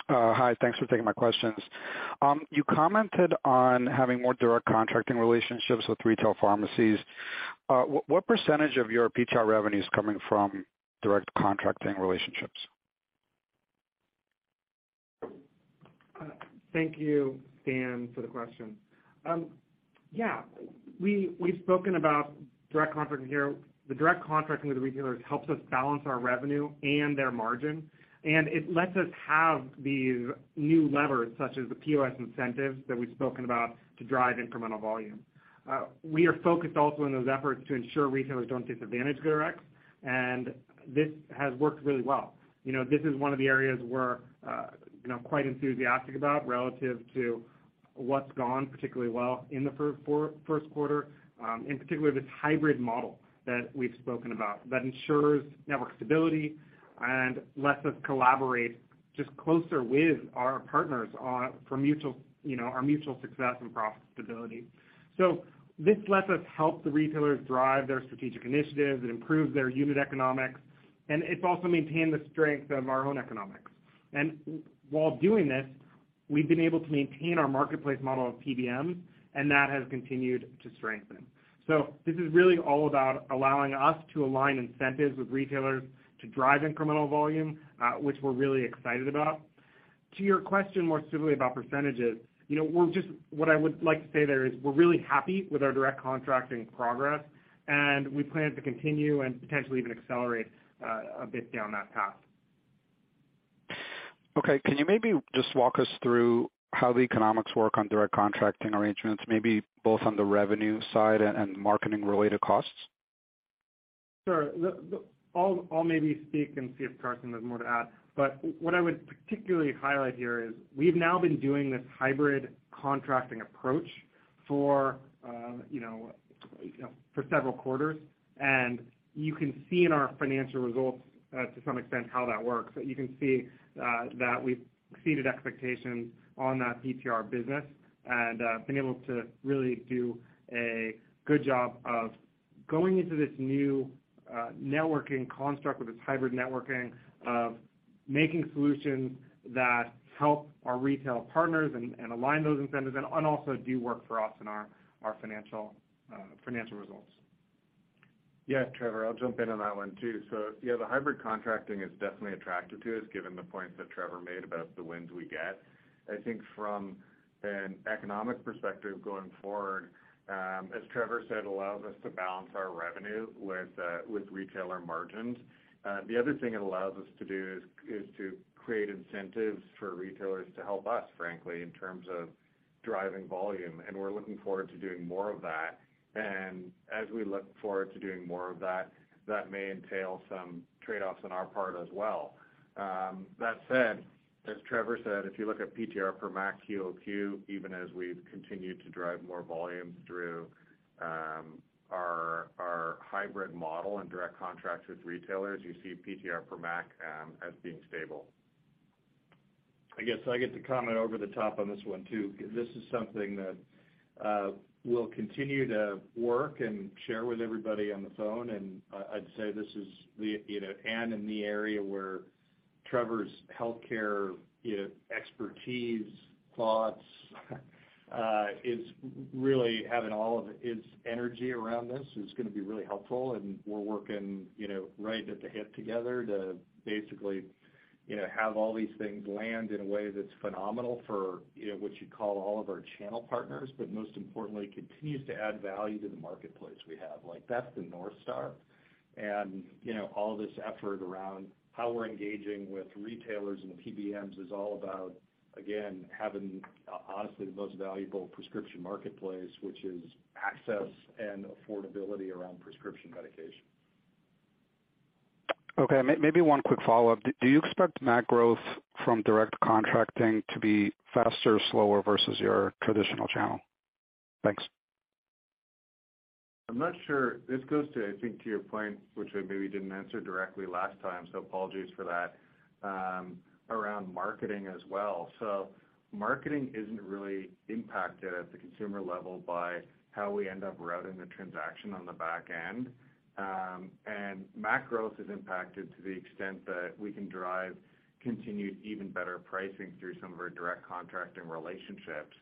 Hi, thanks for taking my questions. You commented on having more direct contracting relationships with retail pharmacies. What percentage of your PTR revenue is coming from direct contracting relationships? Thank you, Stan, for the question. Yeah, we've spoken about direct contracting here. The direct contracting with the retailers helps us balance our revenue and their margin, and it lets us have these new levers, such as the POS incentives that we've spoken about to drive incremental volume. We are focused also on those efforts to ensure retailers don't take advantage of direct, and this has worked really well. You know, this is one of the areas we're, you know, quite enthusiastic about relative to what's gone particularly well in the first quarter, in particular, this hybrid model that we've spoken about that ensures network stability and lets us collaborate just closer with our partners on, for mutual, you know, our mutual success and profitability. This lets us help the retailers drive their strategic initiatives. It improves their unit economics, and it's also maintained the strength of our own economics. While doing this, we've been able to maintain our marketplace model of PBM, and that has continued to strengthen. This is really all about allowing us to align incentives with retailers to drive incremental volume, which we're really excited about. To your question more specifically about percentages, you know, what I would like to say there is we're really happy with our direct contracting progress, and we plan to continue and potentially even accelerate a bit down that path. Okay. Can you maybe just walk us through how the economics work on direct contracting arrangements, maybe both on the revenue side and marketing-related costs? Sure. I'll maybe speak and see if Karsten has more to add. What I would particularly highlight here is we've now been doing this hybrid contracting approach for, you know, for several quarters. You can see in our financial results, to some extent how that works. You can see that we've exceeded expectations on that PTR business and been able to really do a good job of going into this new networking construct with this hybrid networking of making solutions that help our retail partners and align those incentives and also do work for us and our financial results. Yeah, Trevor, I'll jump in on that one too. Yeah, the hybrid contracting is definitely attractive to us, given the points that Trevor made about the wins we get. I think from an economic perspective going forward, as Trevor said, allows us to balance our revenue with retailer margins. The other thing it allows us to do is to create incentives for retailers to help us, frankly, in terms of driving volume, and we're looking forward to doing more of that. As we look forward to doing more of that may entail some trade-offs on our part as well. That said, as Trevor said, if you look at PTR per MAC Q-o-Q, even as we've continued to drive more volumes through our hybrid model and direct contracts with retailers, you see PTR per MAC as being stable. I guess I get to comment over the top on this one, too. This is something that we'll continue to work and share with everybody on the phone. I'd say this is the, you know, and in the area where Trevor's healthcare, you know, expertise, thoughts, is really having all of its energy around this is gonna be really helpful. We're working, you know, right at the hip together to basically, you know, have all these things land in a way that's phenomenal for, you know, what you call all of our channel partners, but most importantly, continues to add value to the marketplace we have. Like, that's the North Star. You know, all this effort around how we're engaging with retailers and the PBMs is all about, again, having, honestly, the most valuable prescription marketplace, which is access and affordability around prescription medication. Okay, maybe one quick follow-up. Do you expect MAC growth from direct contracting to be faster or slower versus your traditional channel? Thanks. I'm not sure. This goes to, I think to your point, which I maybe didn't answer directly last time, so apologies for that, around marketing as well. Marketing isn't really impacted at the consumer level by how we end up routing the transaction on the back end. MAC growth is impacted to the extent that we can drive continued even better pricing through some of our direct contracting relationships.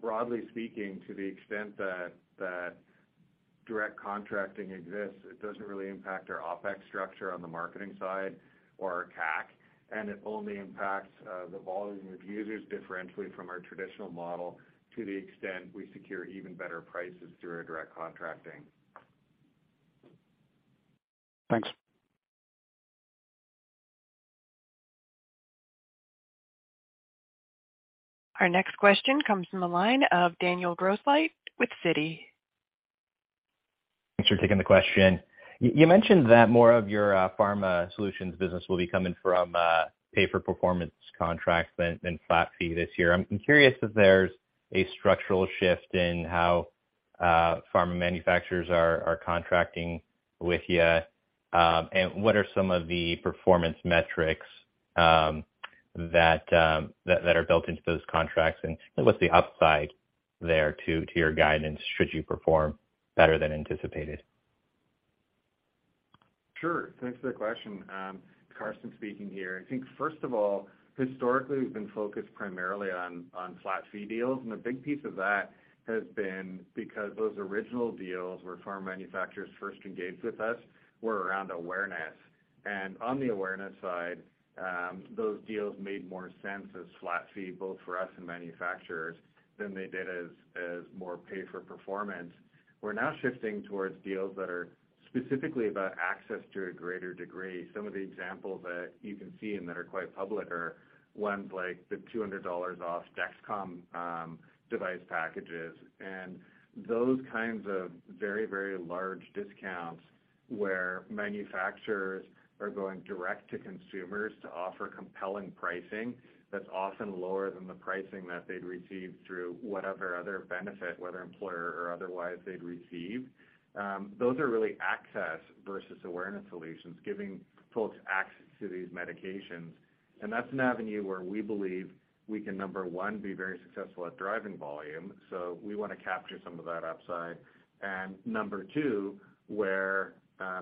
Broadly speaking, to the extent that direct contracting exists, it doesn't really impact our OpEx structure on the marketing side or our CAC, and it only impacts the volume of users differentially from our traditional model to the extent we secure even better prices through our direct contracting. Thanks. Our next question comes from the line of Daniel Grosslight with Citi. Thanks for taking the question. You mentioned that more of your Pharma Solutions business will be coming from pay-for-performance contracts than flat fee this year. I'm curious if there's a structural shift in how pharma manufacturers are contracting with you, and what are some of the performance metrics that are built into those contracts, and what's the upside there to your guidance should you perform better than anticipated? Sure. Thanks for the question. Karsten speaking here. I think first of all, historically, we've been focused primarily on flat fee deals, and a big piece of that has been because those original deals where pharma manufacturers first engaged with us were around awareness. On the awareness side, those deals made more sense as flat fee, both for us and manufacturers than they did as more pay for performance. We're now shifting towards deals that are specifically about access to a greater degree. Some of the examples that you can see and that are quite public are ones like the $200 off Dexcom device packages. Those kinds of very, very large discounts, where manufacturers are going direct to consumers to offer compelling pricing that's often lower than the pricing that they'd receive through whatever other benefit, whether employer or otherwise they'd receive, those are really access versus awareness solutions, giving folks access to these medications. That's an avenue where we believe we can, number one, be very successful at driving volume, so we wanna capture some of that upside. Number two, where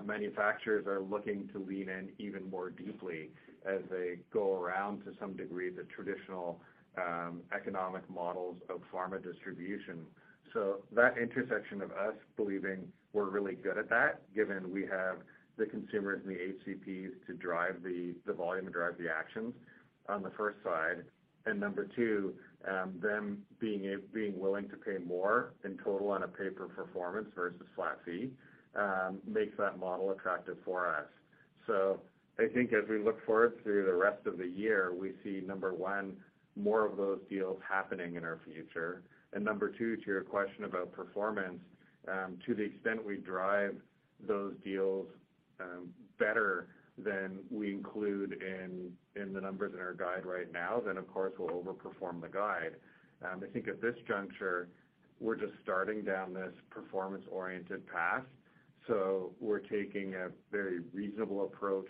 manufacturers are looking to lean in even more deeply as they go around, to some degree, the traditional economic models of pharma distribution. That intersection of us believing we're really good at that, given we have the consumers and the HCPs to drive the volume and drive the actions on the first side, and number two, them being willing to pay more in total on a pay-per-performance versus flat fee, makes that model attractive for us. I think as we look forward through the rest of the year, we see, number one, more of those deals happening in our future. Number two, to your question about performance, to the extent we drive those deals, better than we include in the numbers in our guide right now, then of course we'll overperform the guide. I think at this juncture, we're just starting down this performance-oriented path, so we're taking a very reasonable approach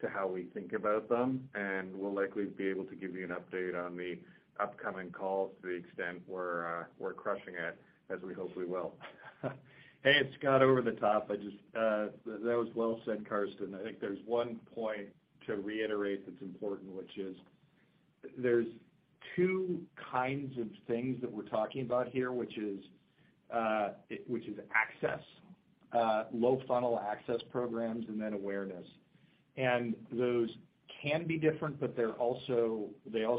to how we think about them, and we'll likely be able to give you an update on the upcoming calls to the extent we're crushing it, as we hope we will. Hey, it's Scott over the top. I just, that was well said, Karsten. I think there's one point to reiterate that's important, which is there's two kinds of things that we're talking about here, which is which is access, low-funnel access programs and then awareness. Those can be different, but they also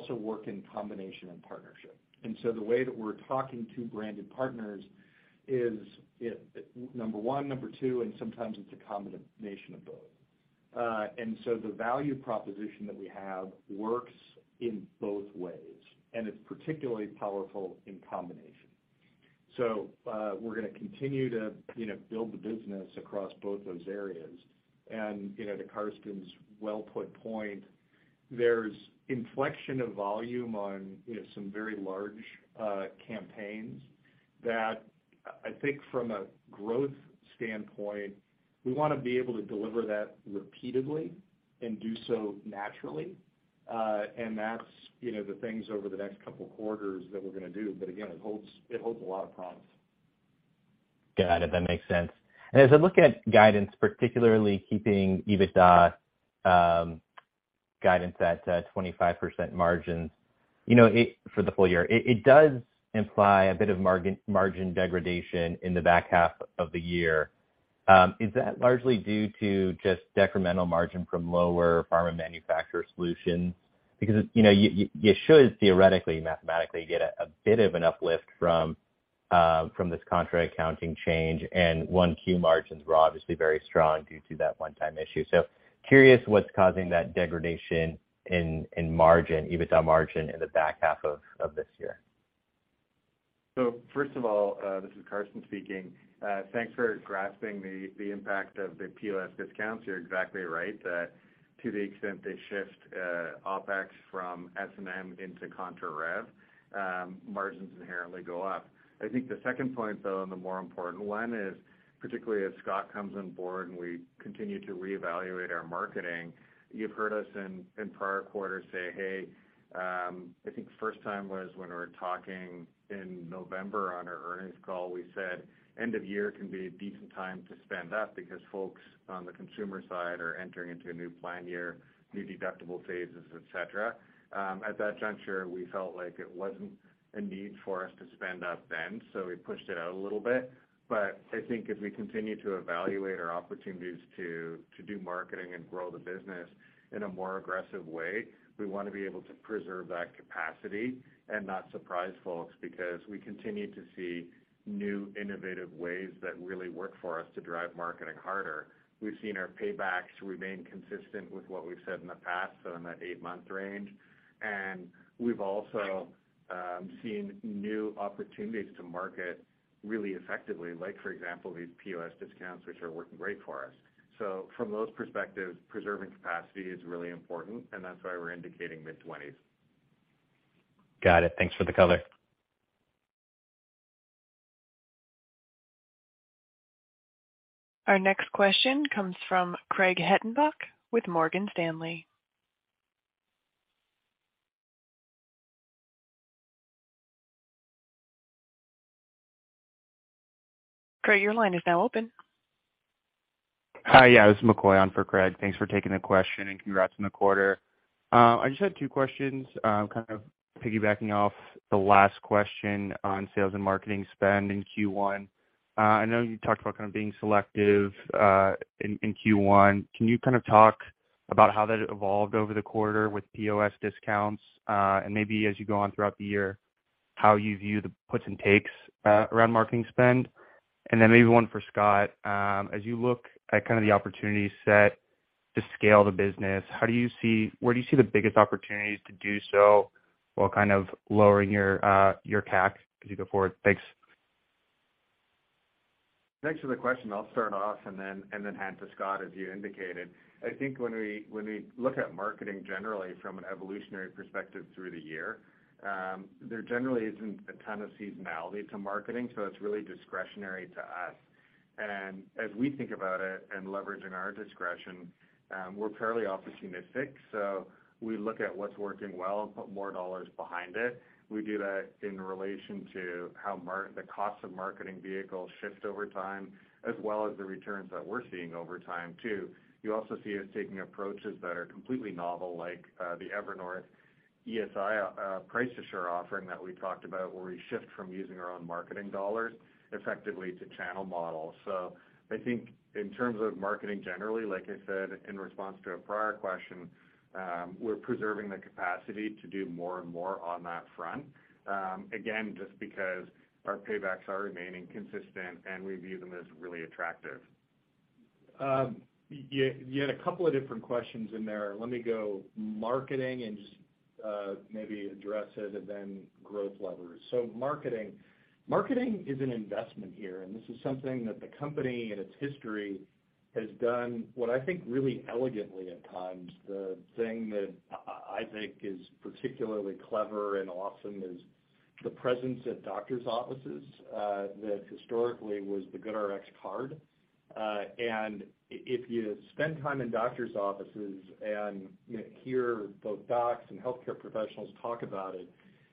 work in combination and partnership. The way that we're talking to branded partners is it, number one, number two, and sometimes it's a combination of both. The value proposition that we have works in both ways, and it's particularly powerful in combination. We're gonna continue to, you know, build the business across both those areas. You know, to Karsten's well-put point, there's inflection of volume on, you know, some very large campaigns that I think from a growth standpoint, we wanna be able to deliver that repeatedly and do so naturally. And that's, you know, the things over the next couple quarters that we're gonna do. But again, it holds a lot of promise. Got it. That makes sense. As I look at guidance, particularly keeping EBITDA guidance at 25% margins, you know, for the full year, it does imply a bit of margin degradation in the back half of the year. Is that largely due to just decremental margin from lower Pharma Manufacturer Solutions? Because, you know, you should theoretically, mathematically get a bit of an uplift from this contract accounting change, and 1Q margins were obviously very strong due to that one-time issue. Curious what's causing that degradation in margin, EBITDA margin in the back half of this year. First of all, this is Karsten speaking. Thanks for grasping the impact of the POS discounts. You're exactly right that to the extent they shift OpEx from S&M into contra-revenue, margins inherently go up. I think the second point, though, and the more important one is particularly as Scott comes on board, and we continue to reevaluate our marketing, you've heard us in prior quarters say, "Hey," I think first time was when we were talking in November on our earnings call, we said, "End of year can be a decent time to spend up because folks on the consumer side are entering into a new plan year, new deductible phases, et cetera." At that juncture, we felt like it wasn't a need for us to spend up then, so we pushed it out a little bit. I think as we continue to evaluate our opportunities to do marketing and grow the business in a more aggressive way, we wanna be able to preserve that capacity and not surprise folks because we continue to see new innovative ways that really work for us to drive marketing harder. We've seen our paybacks remain consistent with what we've said in the past, so in that eight-month range. We've also seen new opportunities to market really effectively, like for example, these POS discounts, which are working great for us. From those perspectives, preserving capacity is really important, and that's why we're indicating mid-20s. Got it. Thanks for the color. Our next question comes from Craig Hettenbach with Morgan Stanley. Craig, your line is now open. Hi. Yes, this is McCoy on for Craig. Thanks for taking the question, and congrats on the quarter. I just had two questions, kind of piggybacking off the last question on sales and marketing spend in Q1. I know you talked about kind of being selective in Q1. Can you kind of talk about how that evolved over the quarter with POS discounts, and maybe as you go on throughout the year, how you view the puts and takes around marketing spend? Maybe one for Scott. As you look at kind of the opportunity set to scale the business, where do you see the biggest opportunities to do so while kind of lowering your CAP as you go forward? Thanks. Thanks for the question. I'll start off and then hand to Scott, as you indicated. I think when we look at marketing generally from an evolutionary perspective through the year, there generally isn't a ton of seasonality to marketing, so it's really discretionary to us. As we think about it and leveraging our discretion, we're fairly opportunistic. We look at what's working well and put more dollars behind it. We do that in relation to how the cost of marketing vehicles shift over time, as well as the returns that we're seeing over time too. You also see us taking approaches that are completely novel, like the Evernorth ESI Price Assure offering that we talked about, where we shift from using our own marketing dollars effectively to channel models. I think in terms of marketing generally, like I said in response to a prior question, we're preserving the capacity to do more and more on that front, again, just because our paybacks are remaining consistent, and we view them as really attractive. You had a couple of different questions in there. Let me go marketing and just, maybe address it and then growth levers. Marketing. Marketing is an investment here, and this is something that the company and its history has done what I think really elegantly at times. The thing that I think is particularly clever and awesome is the presence at doctor's offices, that historically was the GoodRx card. If you spend time in doctor's offices and, you know, hear both docs and healthcare professionals talk about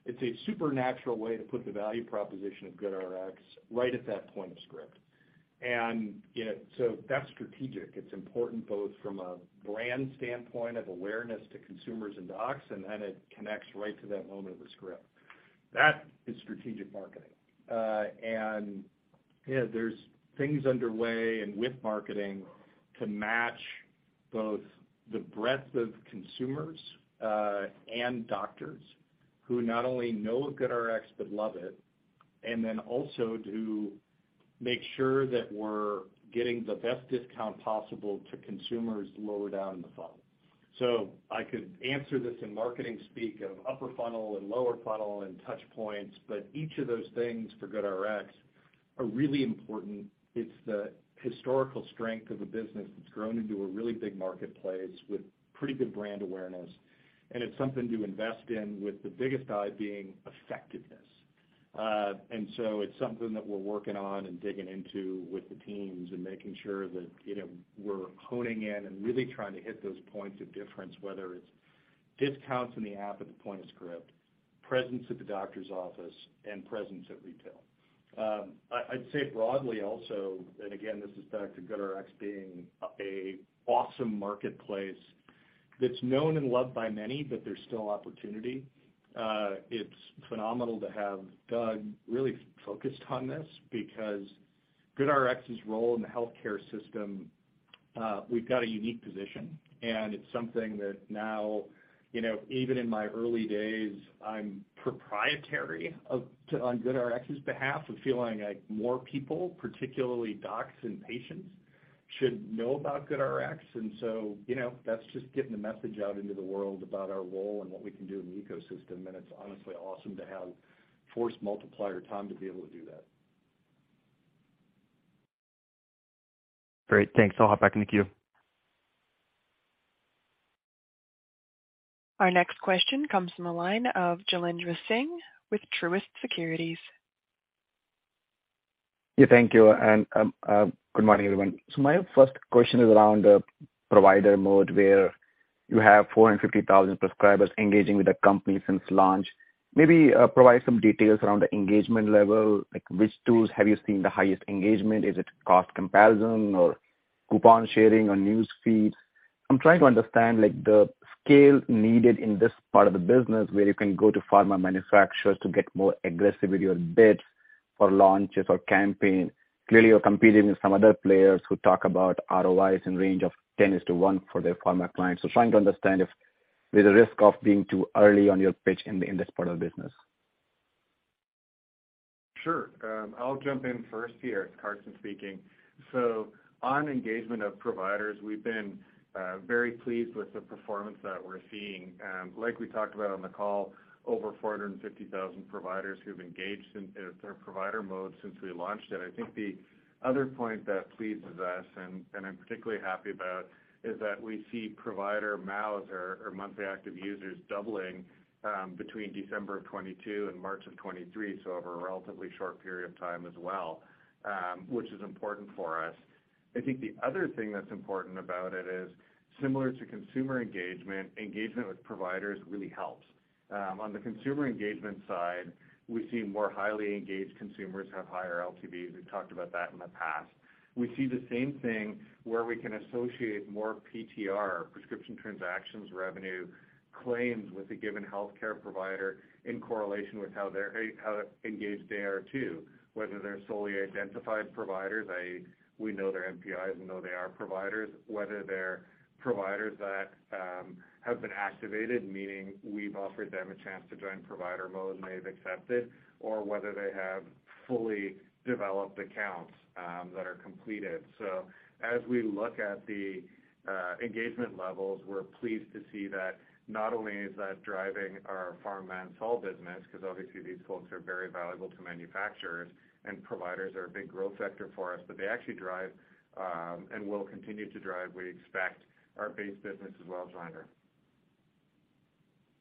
it's a supernatural way to put the value proposition of GoodRx right at that point of script. You know, so that's strategic. It's important both from a brand standpoint of awareness to consumers and docs, and then it connects right to that moment of the script. That is strategic marketing. You know, there's things underway and with marketing to match both the breadth of consumers, and doctors who not only know of GoodRx, but love it, and then also to make sure that we're getting the best discount possible to consumers lower down in the funnel. I could answer this in marketing speak of upper funnel and lower funnel and touch points, but each of those things for GoodRx are really important. It's the historical strength of the business that's grown into a really big marketplace with pretty good brand awareness, and it's something to invest in with the biggest dive being effectiveness. It's something that we're working on and digging into with the teams and making sure that, you know, we're honing in and really trying to hit those points of difference, whether it's discounts in the app at the point of script, presence at the doctor's office, and presence at retail. I'd say broadly also, again, this is back to GoodRx being a awesome marketplace that's known and loved by many, but there's still opportunity. It's phenomenal to have Doug really focused on this because GoodRx's role in the healthcare system, we've got a unique position, it's something that now, you know, even in my early days, I'm proprietary of, on GoodRx's behalf of feeling like more people, particularly docs and patients, should know about GoodRx. You know, that's just getting the message out into the world about our role and what we can do in the ecosystem, it's honestly awesome to have force multiplier Tom to be able to do that. Great. Thanks. I'll hop back in the queue. Our next question comes from the line of Jailendra Singh with Truist Securities. Yeah, thank you, and good morning, everyone. My first question is around the Provider Mode where you have 450,000 subscribers engaging with the company since launch. Maybe provide some details around the engagement level, like which tools have you seen the highest engagement? Is it cost comparison or coupon sharing or news feeds? I'm trying to understand, like the scale needed in this part of the business where you can go to pharma manufacturers to get more aggressive with your bids for launches or campaigns. Clearly, you're competing with some other players who talk about ROIs in range of 10:1 for their pharma clients. Trying to understand if there's a risk of being too early on your pitch in this part of the business. Sure. I'll jump in first here, it's Karsten speaking. On engagement of providers, we've been very pleased with the performance that we're seeing. Like we talked about on the call, over 450,000 providers who've engaged in their Provider Mode since we launched it. I think the other point that pleases us and I'm particularly happy about, is that we see provider MAUs or monthly active users doubling between December of 2022 and March of 2023, so over a relatively short period of time as well, which is important for us. I think the other thing that's important about it is similar to consumer engagement with providers really helps. On the consumer engagement side, we see more highly engaged consumers have higher LTVs. We've talked about that in the past. We see the same thing where we can associate more PTR, Prescription Transactions Revenue, claims with a given healthcare provider in correlation with how they're, how engaged they are too. Whether they're solely identified providers, i.e., we know their NPIs, we know they are providers, whether they're providers that have been activated, meaning we've offered them a chance to join Provider Mode and they've accepted, or whether they have fully developed accounts that are completed. As we look at the engagement levels, we're pleased to see that not only is that driving our Pharma Untold business, because obviously these folks are very valuable to manufacturers, and providers are a big growth sector for us, but they actually drive and will continue to drive, we expect, our base business as well, Jailendra.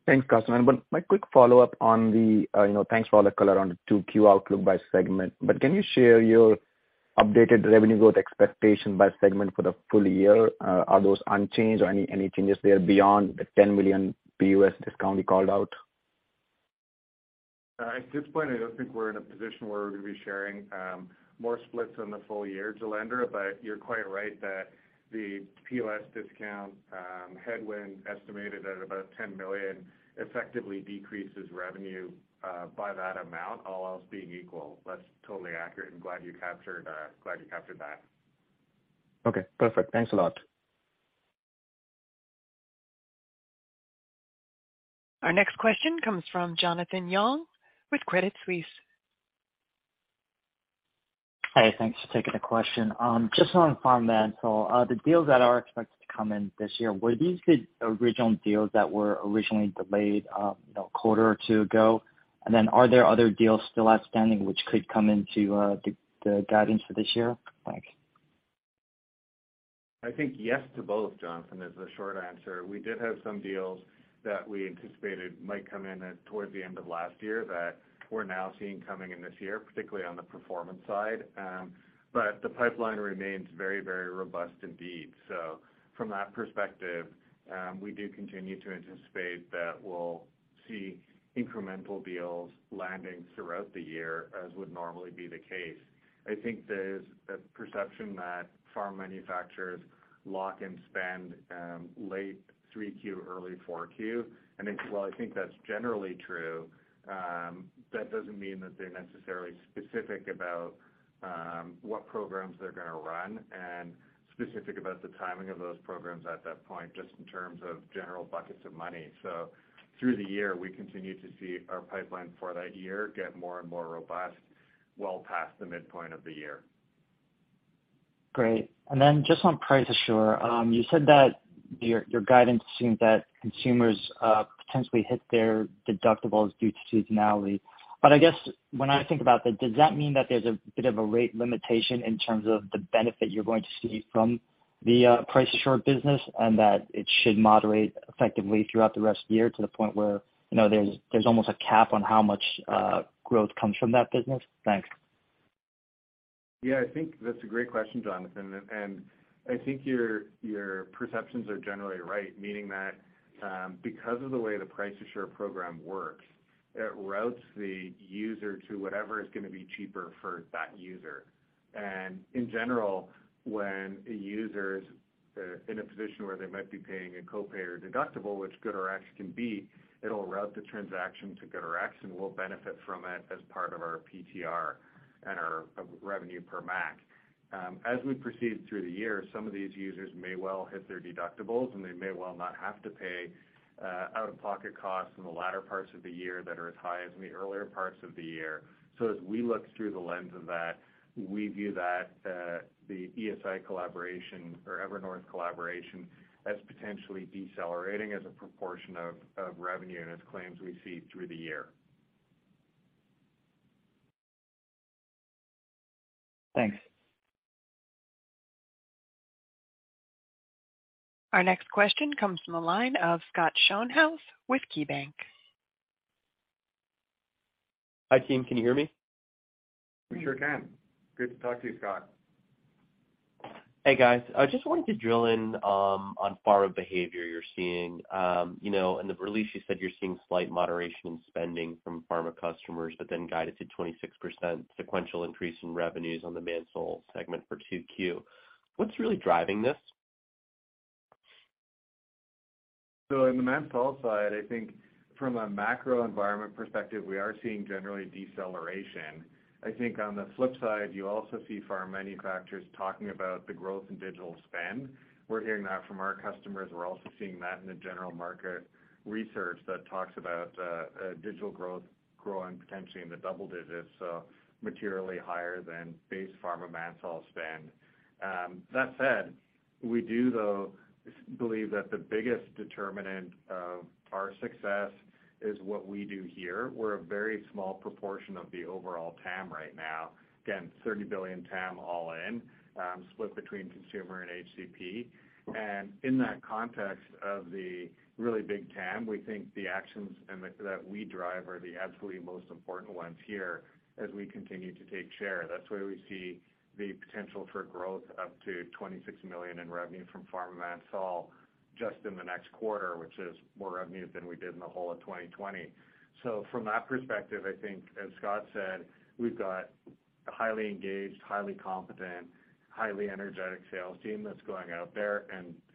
Thanks, Karsten. My quick follow-up on the, you know, thanks for all the color on the 2Q outlook by segment. Can you share your updated revenue growth expectation by segment for the full year? Are those unchanged or any changes there beyond the $10 million POS discount you called out? At this point, I don't think we're in a position where we're gonna be sharing more splits on the full year, Jailendra. You're quite right that the POS discount headwind estimated at about $10 million effectively decreases revenue by that amount, all else being equal. That's totally accurate, and glad you captured that. Okay, perfect. Thanks a lot. Our next question comes from Jonathan Yong with Credit Suisse. Hey, thanks for taking the question. Just on Pharma Manufacturer Solutions, the deals that are expected to come in this year, were these the original deals that were originally delayed, you know, a quarter or two ago? Are there other deals still outstanding which could come into the guidance for this year? Thanks. I think yes to both, Jonathan, is the short answer. We did have some deals that we anticipated might come in at towards the end of last year that we're now seeing coming in this year, particularly on the performance side. The pipeline remains very, very robust indeed. From that perspective, we do continue to anticipate that we'll see incremental deals landing throughout the year, as would normally be the case. I think there's a perception that pharma manufacturers lock and spend, late 3Q, early 4Q. While I think that's generally true, that doesn't mean that they're necessarily specific about what programs they're gonna run and specific about the timing of those programs at that point, just in terms of general buckets of money. Through the year, we continue to see our pipeline for that year get more and more robust, well past the midpoint of the year. Great. Just on Price Assure, you said that your guidance assumes that consumers potentially hit their deductibles due to seasonality. I guess when I think about that, does that mean that there's a bit of a rate limitation in terms of the benefit you're going to see from the Price Assure business and that it should moderate effectively throughout the rest of the year to the point where, you know, there's almost a cap on how much growth comes from that business? Thanks. Yeah. I think that's a great question, Jonathan, and I think your perceptions are generally right, meaning that, because of the way the Price Assure program works, it routes the user to whatever is gonna be cheaper for that user. In general, when a user is in a position where they might be paying a copay or deductible, which GoodRx can be, it'll route the transaction to GoodRx, and we'll benefit from it as part of our PTR and our revenue per MAC. As we proceed through the year, some of these users may well hit their deductibles, and they may well not have to pay out-of-pocket costs in the latter parts of the year that are as high as in the earlier parts of the year. As we look through the lens of that, we view that, the ESI collaboration or Evernorth collaboration as potentially decelerating as a proportion of revenue and as claims we see through the year. Thanks. Our next question comes from the line of Scott Schoenhaus with KeyBank. Hi, team. Can you hear me? We sure can. Good to talk to you, Scott. Hey, guys. I just wanted to drill in on Pharma behavior you're seeing. You know, in the release, you said you're seeing slight moderation in spending from Pharma customers but then guided to 26% sequential increase in revenues on the managed sol segment for 2Q. What's really driving this? In the managed sol side, I think from a macro environment perspective, we are seeing generally deceleration. On the flip side, you also see pharma manufacturers talking about the growth in digital spend. We're hearing that from our customers. We're also seeing that in the general market research that talks about digital growth growing potentially in the double digits, so materially higher than base pharma managed sol spend. That said, we do, though, believe that the biggest determinant of our success is what we do here. We're a very small proportion of the overall TAM right now. Again, $30 billion TAM all in, split between consumer and HCP. In that context of the really big TAM, we think the actions that we drive are the absolutely most important ones here as we continue to take share. That's why we see the potential for growth up to $26 million in revenue from Pharma Manufacturer sol just in the next quarter, which is more revenue than we did in the whole of 2020. From that perspective, I think as Scott said, we've got a highly engaged, highly competent, highly energetic sales team that's going out there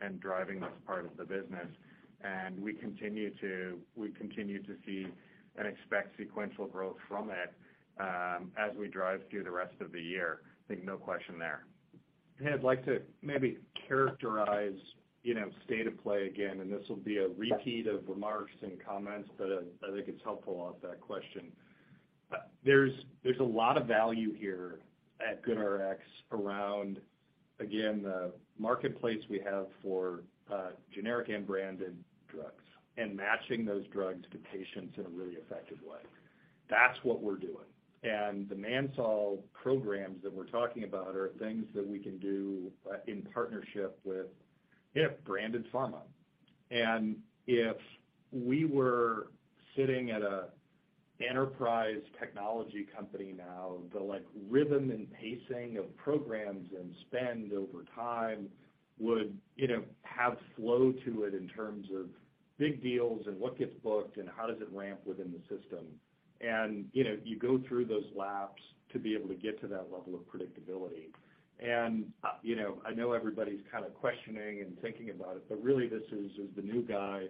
and driving this part of the business. We continue to see and expect sequential growth from it as we drive through the rest of the year. I think no question there. I'd like to maybe characterize, you know, state of play again, and this will be a repeat of remarks and comments, but I think it's helpful off that question. There's a lot of value here at GoodRx around, again, the marketplace we have for generic and branded drugs and matching those drugs to patients in a really effective way. That's what we're doing. The managed sol programs that we're talking about are things that we can do in partnership with, if branded pharma. If we were sitting at a enterprise technology company now, the, like, rhythm and pacing of programs and spend over time would, you know, have flow to it in terms of big deals and what gets booked and how does it ramp within the system. You know, you go through those laps to be able to get to that level of predictability. You know, I know everybody's kinda questioning and thinking about it, but really this is, as the new guy,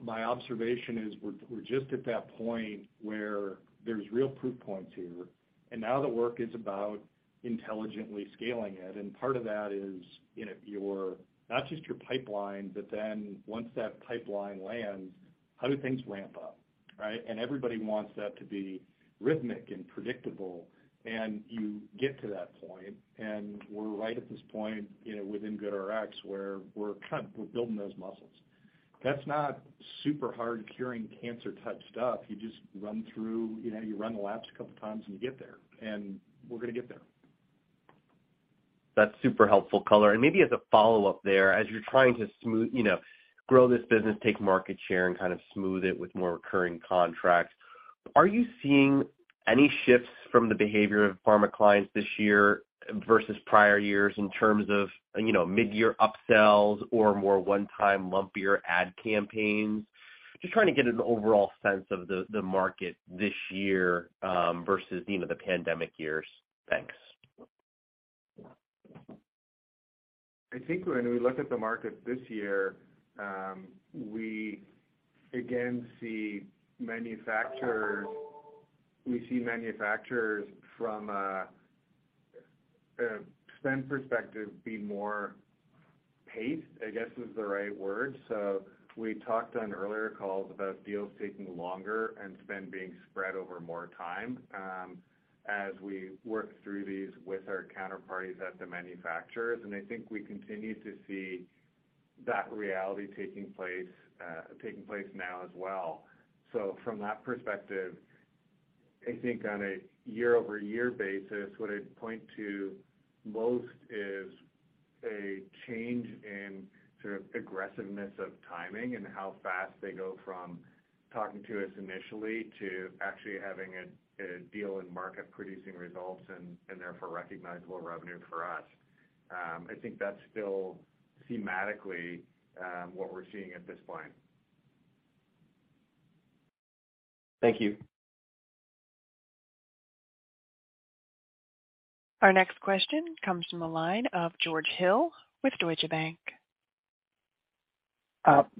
my observation is we're just at that point where there's real proof points here, and now the work is about intelligently scaling it. Part of that is, you know, your, not just your pipeline, but then once that pipeline lands, how do things ramp up, right? Everybody wants that to be rhythmic and predictable. You get to that point, and we're right at this point, you know, within GoodRx, where we're building those muscles. That's not super hard curing cancer type stuff. You just run through, you know, you run the laps a couple times, and you get there, and we're gonna get there. That's super helpful color. Maybe as a follow-up there, as you're trying to smooth, you know, grow this business, take market share, and kind of smooth it with more recurring contracts, are you seeing any shifts from the behavior of pharma clients this year versus prior years in terms of, you know, midyear upsells or more one-time lumpier ad campaigns? Just trying to get an overall sense of the market this year, versus, you know, the pandemic years. Thanks. I think when we look at the market this year, we again see manufacturers, we see manufacturers from a spend perspective be more pace, I guess is the right word. We talked on earlier calls about deals taking longer and spend being spread over more time, as we work through these with our counterparties at the manufacturers. I think we continue to see that reality taking place, taking place now as well. From that perspective, I think on a year-over-year basis, what I'd point to most is a change in sort of aggressiveness of timing and how fast they go from talking to us initially to actually having a deal in market producing results and therefore recognizable revenue for us. I think that's still thematically, what we're seeing at this point. Thank you. Our next question comes from the line of George Hill with Deutsche Bank.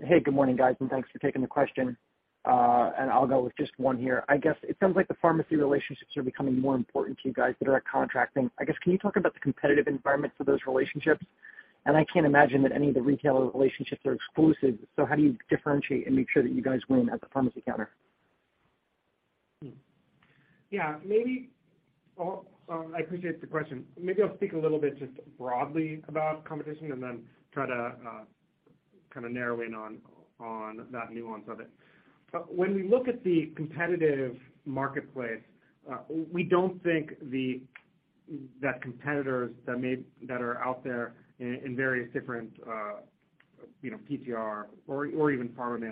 Hey, good morning, guys, and thanks for taking the question. I'll go with just one here. I guess it sounds like the pharmacy relationships are becoming more important to you guys that are contracting. I guess, can you talk about the competitive environment for those relationships? I can't imagine that any of the retailer relationships are exclusive, so how do you differentiate and make sure that you guys win at the pharmacy counter? Yeah, maybe. Oh, I appreciate the question. Maybe I'll speak a little bit just broadly about competition and then try to kind of narrow in on that nuance of it. When we look at the competitive marketplace, we don't think that competitors that are out there in various different, you know, PTR or even pharma.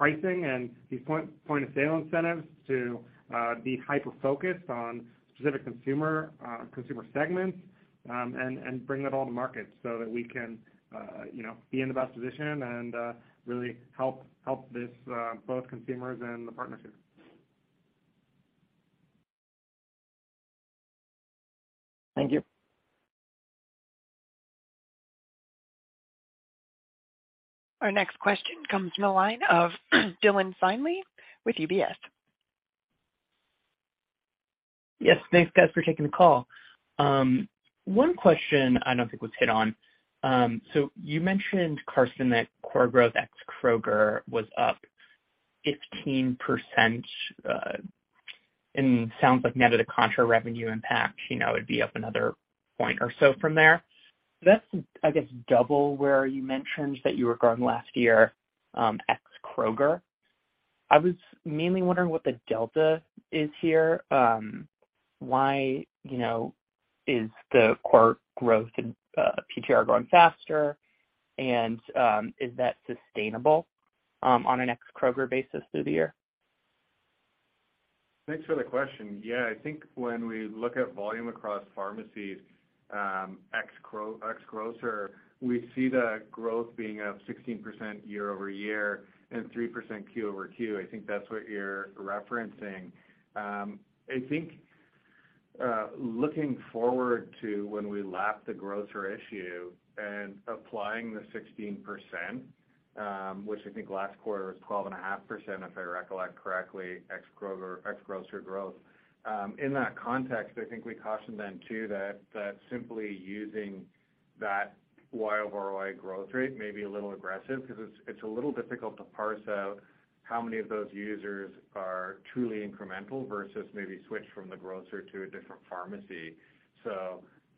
Thank you. Our next question comes from the line of Dylan Finley with UBS. Yes, thanks guys for taking the call. One question I don't think was hit on. You mentioned, Karsten, that core growth ex Kroger was up 15%, and sounds like net of the contra-revenue impact, you know, it'd be up another point or so from there. That's, I guess, double where you mentioned that you were growing last year, ex Kroger. I was mainly wondering what the delta is here. Why, you know, is the core growth in PTR growing faster? Is that sustainable on an ex Kroger basis through the year? Thanks for the question. I think when we look at volume across pharmacies, ex-grocer, we see the growth being up 16% year-over-year and 3% Q-over-Q. I think that's what you're referencing. I think looking forward to when we lap the grocer issue and applying the 16%, which I think last quarter was 12.5%, if I recollect correctly, ex-grocer growth. In that context, I think we cautioned then too that simply using that year-over-year growth rate may be a little aggressive because it's a little difficult to parse out how many of those users are truly incremental versus maybe switched from the grocer to a different pharmacy.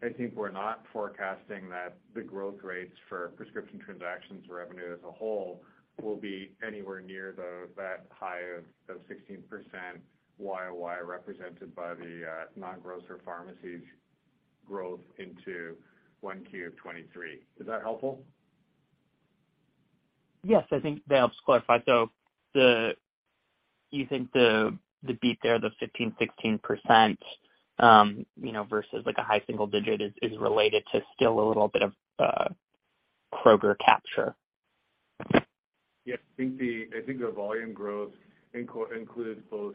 I think we're not forecasting that the growth rates for prescription transactions revenue as a whole will be anywhere near the, that high of 16% Y-o-Y represented by the non-grocer pharmacies growth into 1Q of 2023. Is that helpful? Yes. I think that helps clarify. You think the beat there, the 15%, 16%, you know, versus like a high single-digit is related to still a little bit of Kroger capture? Yes. I think the volume growth includes both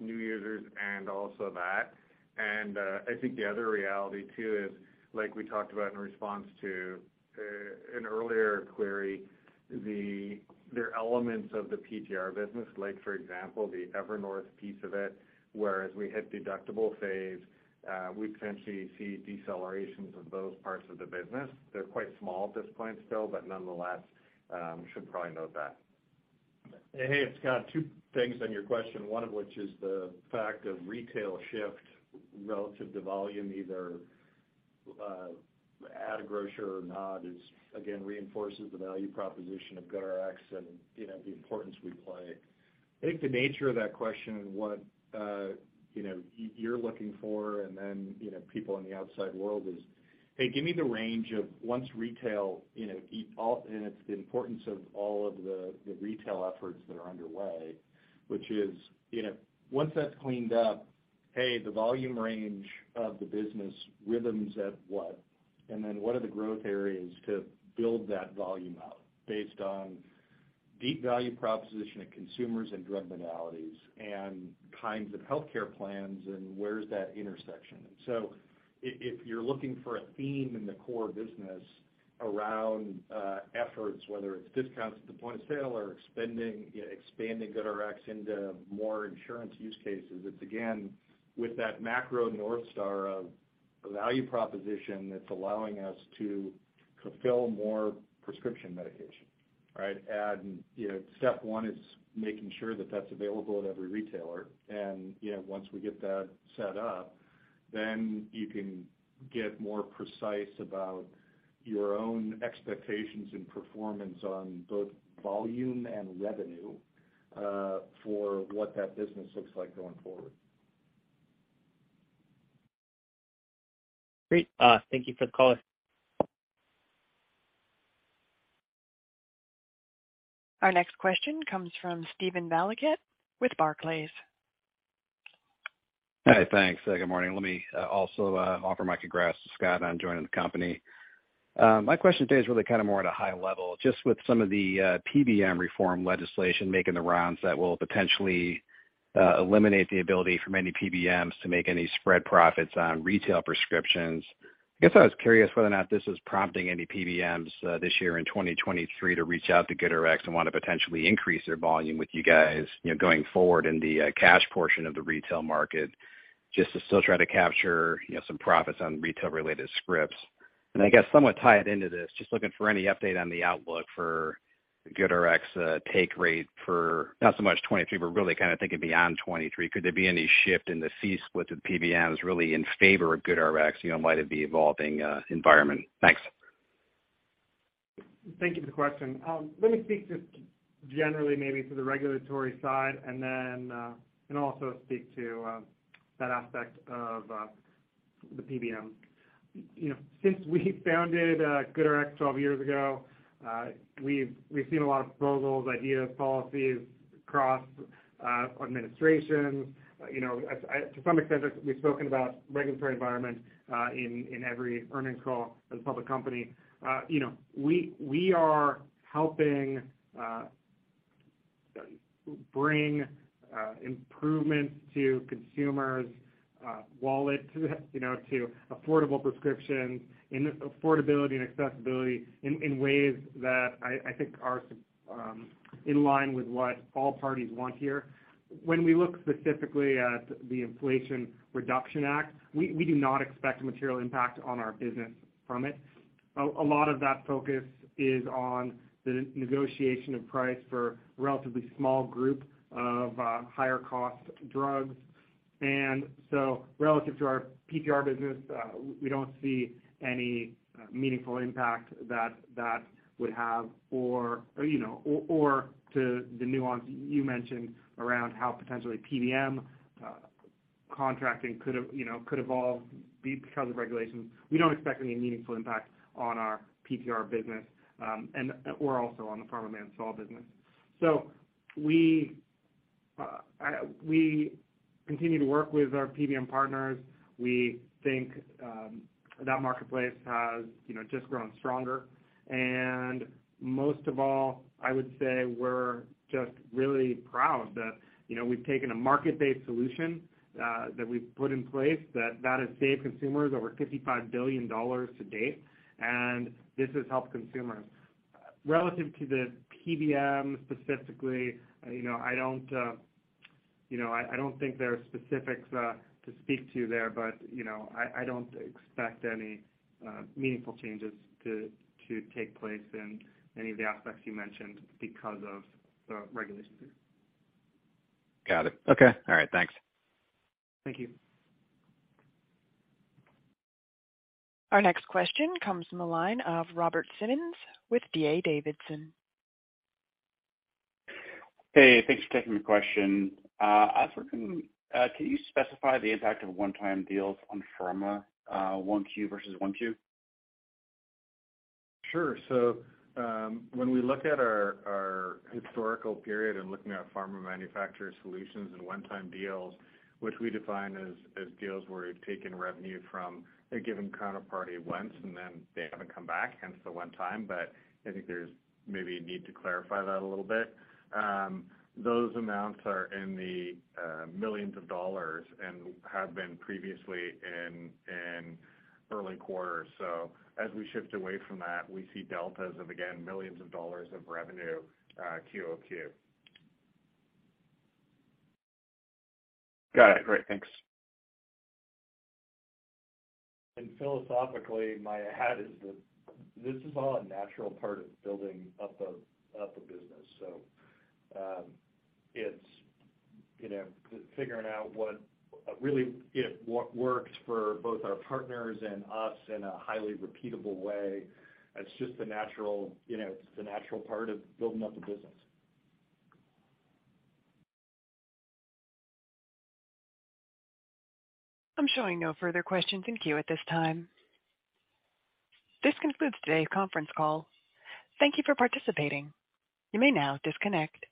new users and also that. I think the other reality too is, like we talked about in response to an earlier query, there are elements of the PTR business, like for example, the Evernorth piece of it, whereas we hit deductible phase, we potentially see decelerations of those parts of the business. They're quite small at this point still, but nonetheless, should probably note that. Hey, it's Scott. Two things on your question, one of which is the fact of retail shift relative to volume, either at a grocer or not, is again, reinforces the value proposition of GoodRx and, you know, the importance we play. I think the nature of that question and what, you know, you're looking for, and then, you know, people in the outside world is, hey, give me the range of once retail, you know, all and it's the importance of all of the retail efforts that are underway, which is, you know, once that's cleaned up, hey, the volume range of the business rhythms at what? What are the growth areas to build that volume out based on deep value proposition of consumers and drug modalities and kinds of healthcare plans, and where's that intersection? If you're looking for a theme in the core business around efforts, whether it's discounts at the point of sale or expanding GoodRx into more insurance use cases, it's again, with that macro north star of a value proposition that's allowing us to fulfill more prescription medication, right? You know, step one is making sure that that's available at every retailer. You know, once we get that set up, then you can get more precise about your own expectations and performance on both volume and revenue for what that business looks like going forward. Great. Thank you for the call. Our next question comes from Steven Valiquette with Barclays. Hey, thanks. Good morning. Let me also offer my congrats to Scott on joining the company. My question today is really kinda more at a high level, just with some of the PBM reform legislation making the rounds that will potentially eliminate the ability for many PBMs to make any spread profits on retail prescriptions. I guess I was curious whether or not this is prompting any PBMs this year in 2023 to reach out to GoodRx and wanna potentially increase their volume with you guys, you know, going forward in the cash portion of the retail market, just to still try to capture, you know, some profits on retail-related scripts. I guess somewhat tied into this, just looking for any update on the outlook for GoodRx take rate for not so much 2023, but really kinda thinking beyond 2023. Could there be any shift in the fee split with PBMs really in favor of GoodRx, you know, in light of the evolving environment? Thanks. Thank you for the question. Let me speak just generally maybe to the regulatory side and then and also speak to that aspect of the PBM. You know, since we founded GoodRx 12 years ago, we've seen a lot of proposals, ideas, policies across administrations. You know, we've spoken about regulatory environment in every earnings call as a public company. You know, we are helping bring improvements to consumers' wallets, you know, to affordable prescriptions and affordability and accessibility in ways that I think are in line with what all parties want here. When we look specifically at the Inflation Reduction Act, we do not expect a material impact on our business from it. A lot of that focus is on the negotiation of price for a relatively small group of higher cost drugs. Relative to our PTR business, we don't see any meaningful impact that would have or you know, or to the nuance you mentioned around how potentially PBM contracting could have, you know, could evolve because of regulations. We don't expect any meaningful impact on our PTR business, and or also on the Pharma Manufacturer business. We continue to work with our PBM partners. We think that marketplace has, you know, just grown stronger. Most of all, I would say we're just really proud that, you know, we've taken a market-based solution that we've put in place that has saved consumers over $55 billion to date, and this has helped consumers. Relative to the PBMs specifically, you know, I don't, you know, I don't think there are specifics to speak to there, but, you know, I don't expect any meaningful changes to take place in any of the aspects you mentioned because of the regulations. Got it. Okay. All right. Thanks. Thank you. Our next question comes from the line of Robert Simmons with D.A. Davidson. Hey, thanks for taking the question. I was wondering, can you specify the impact of one-time deals on pharma, 1Q versus 1Q? When we look at our historical period and looking at Pharma Manufacturer Solutions and one-time deals, which we define as deals where we've taken revenue from a given counterparty once, and then they haven't come back, hence the one time, but I think there's maybe a need to clarify that a little bit. Those amounts are in the millions of dollars and have been previously in early quarters. As we shift away from that, we see deltas of, again, millions of dollars of revenue, Q-over-Q. Got it. Great. Thanks. Philosophically, my hat is that this is all a natural part of building up a business. It's, you know, figuring out what really what works for both our partners and us in a highly repeatable way. It's just the natural part of building up a business. I'm showing no further questions in queue at this time. This concludes today's conference call. Thank you for participating. You may now disconnect.